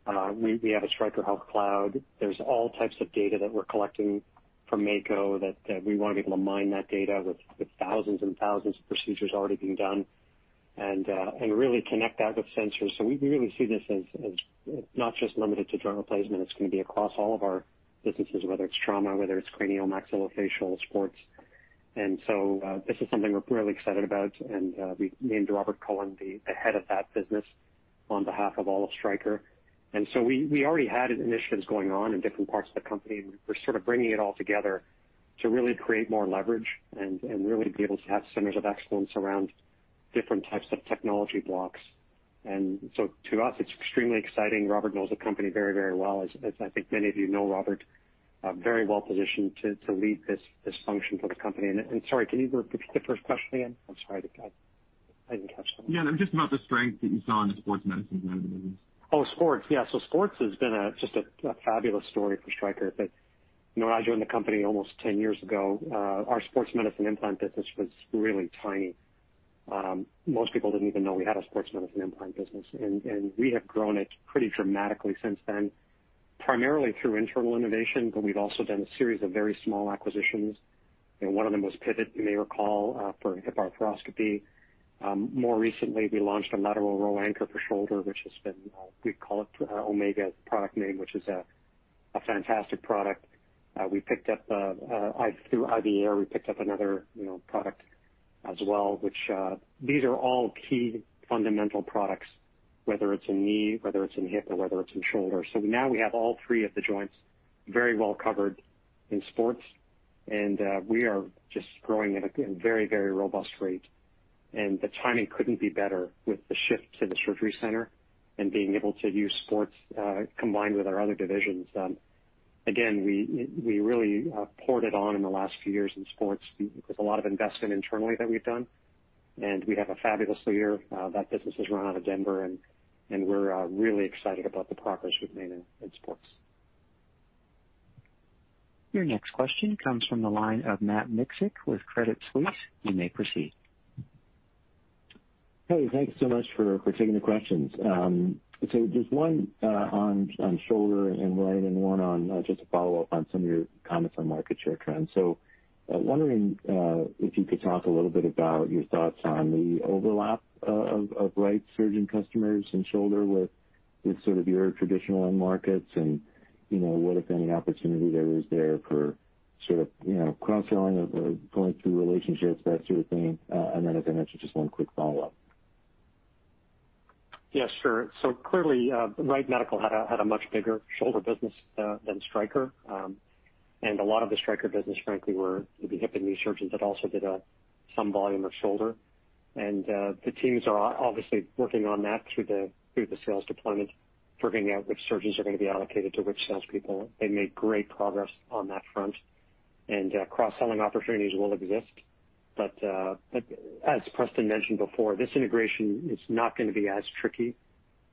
We have a Stryker Health Cloud. There's all types of data that we're collecting from Mako that we want to be able to mine that data with thousands and thousands of procedures already being done and really connect that with sensors. We really see this as not just limited to joint replacement. It's going to be across all of our businesses, whether it's trauma, whether it's cranial maxillofacial, sports. This is something we're really excited about, and we named Robert Cohen the head of that business on behalf of all of Stryker. We already had initiatives going on in different parts of the company. We're sort of bringing it all together to really create more leverage and really be able to have centers of excellence around different types of technology blocks. To us, it's extremely exciting. Robert knows the company very, very well. As I think many of you know Robert very well positioned to lead this function for the company. Sorry, can you repeat the first question again? I'm sorry. I didn't catch the beginning. Yeah. Just about the strength that you saw in the sports medicine divisions. Sports has been just a fabulous story for Stryker. When I joined the company almost 10 years ago, our sports medicine implant business was really tiny. Most people didn't even know we had a sports medicine implant business. We have grown it pretty dramatically since then, primarily through internal innovation, but we've also done a series of very small acquisitions, and one of them was Pivot, you may recall, for hip arthroscopy. More recently, we launched a lateral row anchor for shoulder, which has been, we call it Omega, the product name, which is a fantastic product. Through IVR, we picked up another product as well. These are all key fundamental products, whether it's in knee, whether it's in hip, or whether it's in shoulder. Now we have all three of the joints very well covered in sports, and we are just growing at a very, very robust rate. The timing couldn't be better with the shift to the surgery center and being able to use sports, combined with our other divisions. We really poured it on in the last few years in sports with a lot of investment internally that we've done, and we have a fabulous leader. That business is run out of Denver, and we're really excited about the progress we've made in sports. Your next question comes from the line of Matt Miksic with Credit Suisse. You may proceed. Hey, thanks so much for taking the questions. Just one on shoulder and Wright, and one on just a follow-up on some of your comments on market share trends. Wondering if you could talk a little bit about your thoughts on the overlap of Wright surgeon customers and shoulder with sort of your traditional end markets and what, if any, opportunity there is there for sort of cross-selling of going through relationships, that sort of thing. As I mentioned, just one quick follow-up. Yeah, sure. Clearly, Wright Medical had a much bigger shoulder business than Stryker. A lot of the Stryker business, frankly, were the hip and knee surgeons that also did some volume of shoulder. The teams are obviously working on that through the sales deployment, figuring out which surgeons are going to be allocated to which salespeople. They made great progress on that front. Cross-selling opportunities will exist. As Preston mentioned before, this integration is not going to be as tricky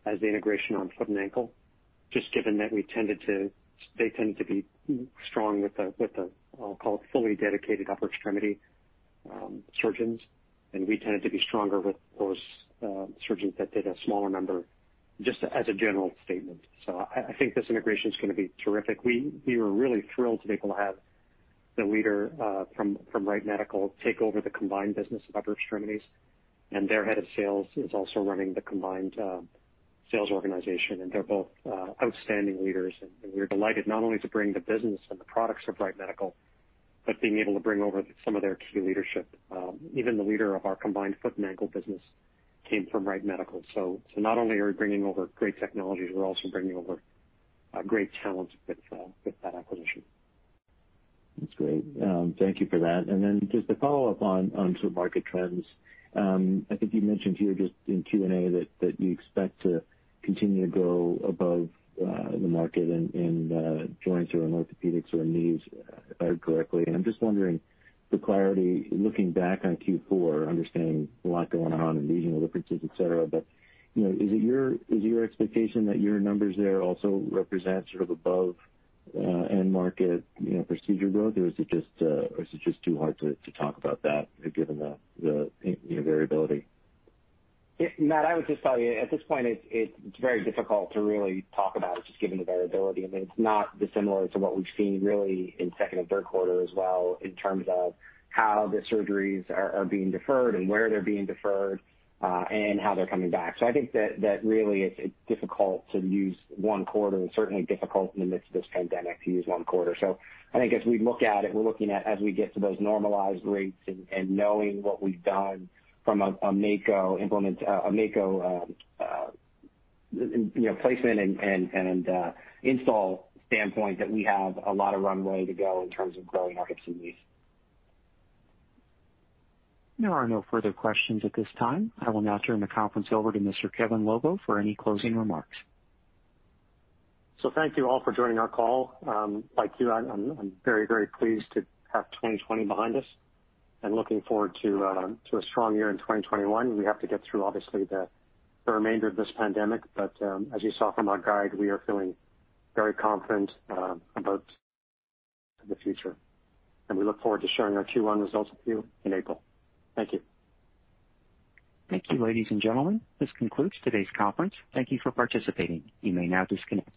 as the integration on foot and ankle, just given that they tended to be strong with the, I'll call it, fully dedicated upper extremity surgeons. We tended to be stronger with those surgeons that did a smaller number, just as a general statement. I think this integration's going to be terrific. We were really thrilled to be able to have the leader from Wright Medical take over the combined business of upper extremities. Their head of sales is also running the combined sales organization. They're both outstanding leaders. We're delighted not only to bring the business and the products of Wright Medical, but being able to bring over some of their key leadership. Even the leader of our combined foot and ankle business came from Wright Medical. Not only are we bringing over great technologies, we're also bringing over great talent with that acquisition. That's great. Thank you for that. Just to follow up on sort of market trends. I think you mentioned here just in Q&A that you expect to continue to grow above the market in joints or in orthopedics or in knees, if I heard correctly. I'm just wondering for clarity, looking back on Q4, understanding a lot going on in regional differences, et cetera, is it your expectation that your numbers there also represent sort of above end market procedure growth, or is it just too hard to talk about that given the variability? Matt, I would just tell you, at this point, it's very difficult to really talk about it just given the variability. I mean, it's not dissimilar to what we've seen really in second and third quarter as well in terms of how the surgeries are being deferred and where they're being deferred, and how they're coming back. I think that really, it's difficult to use one quarter, and certainly difficult in the midst of this pandemic to use one quarter. I think as we look at it, we're looking at as we get to those normalized rates and knowing what we've done from a Mako placement and install standpoint, that we have a lot of runway to go in terms of growing hips and knees. There are no further questions at this time. I will now turn the conference over to Mr. Kevin Lobo for any closing remarks. Thank you all for joining our call. Like you, I'm very, very pleased to have 2020 behind us and looking forward to a strong year in 2021. We have to get through, obviously, the remainder of this pandemic. As you saw from our guide, we are feeling very confident about the future, and we look forward to sharing our Q1 results with you in April. Thank you. Thank you, ladies and gentlemen. This concludes today's conference. Thank you for participating. You may now disconnect.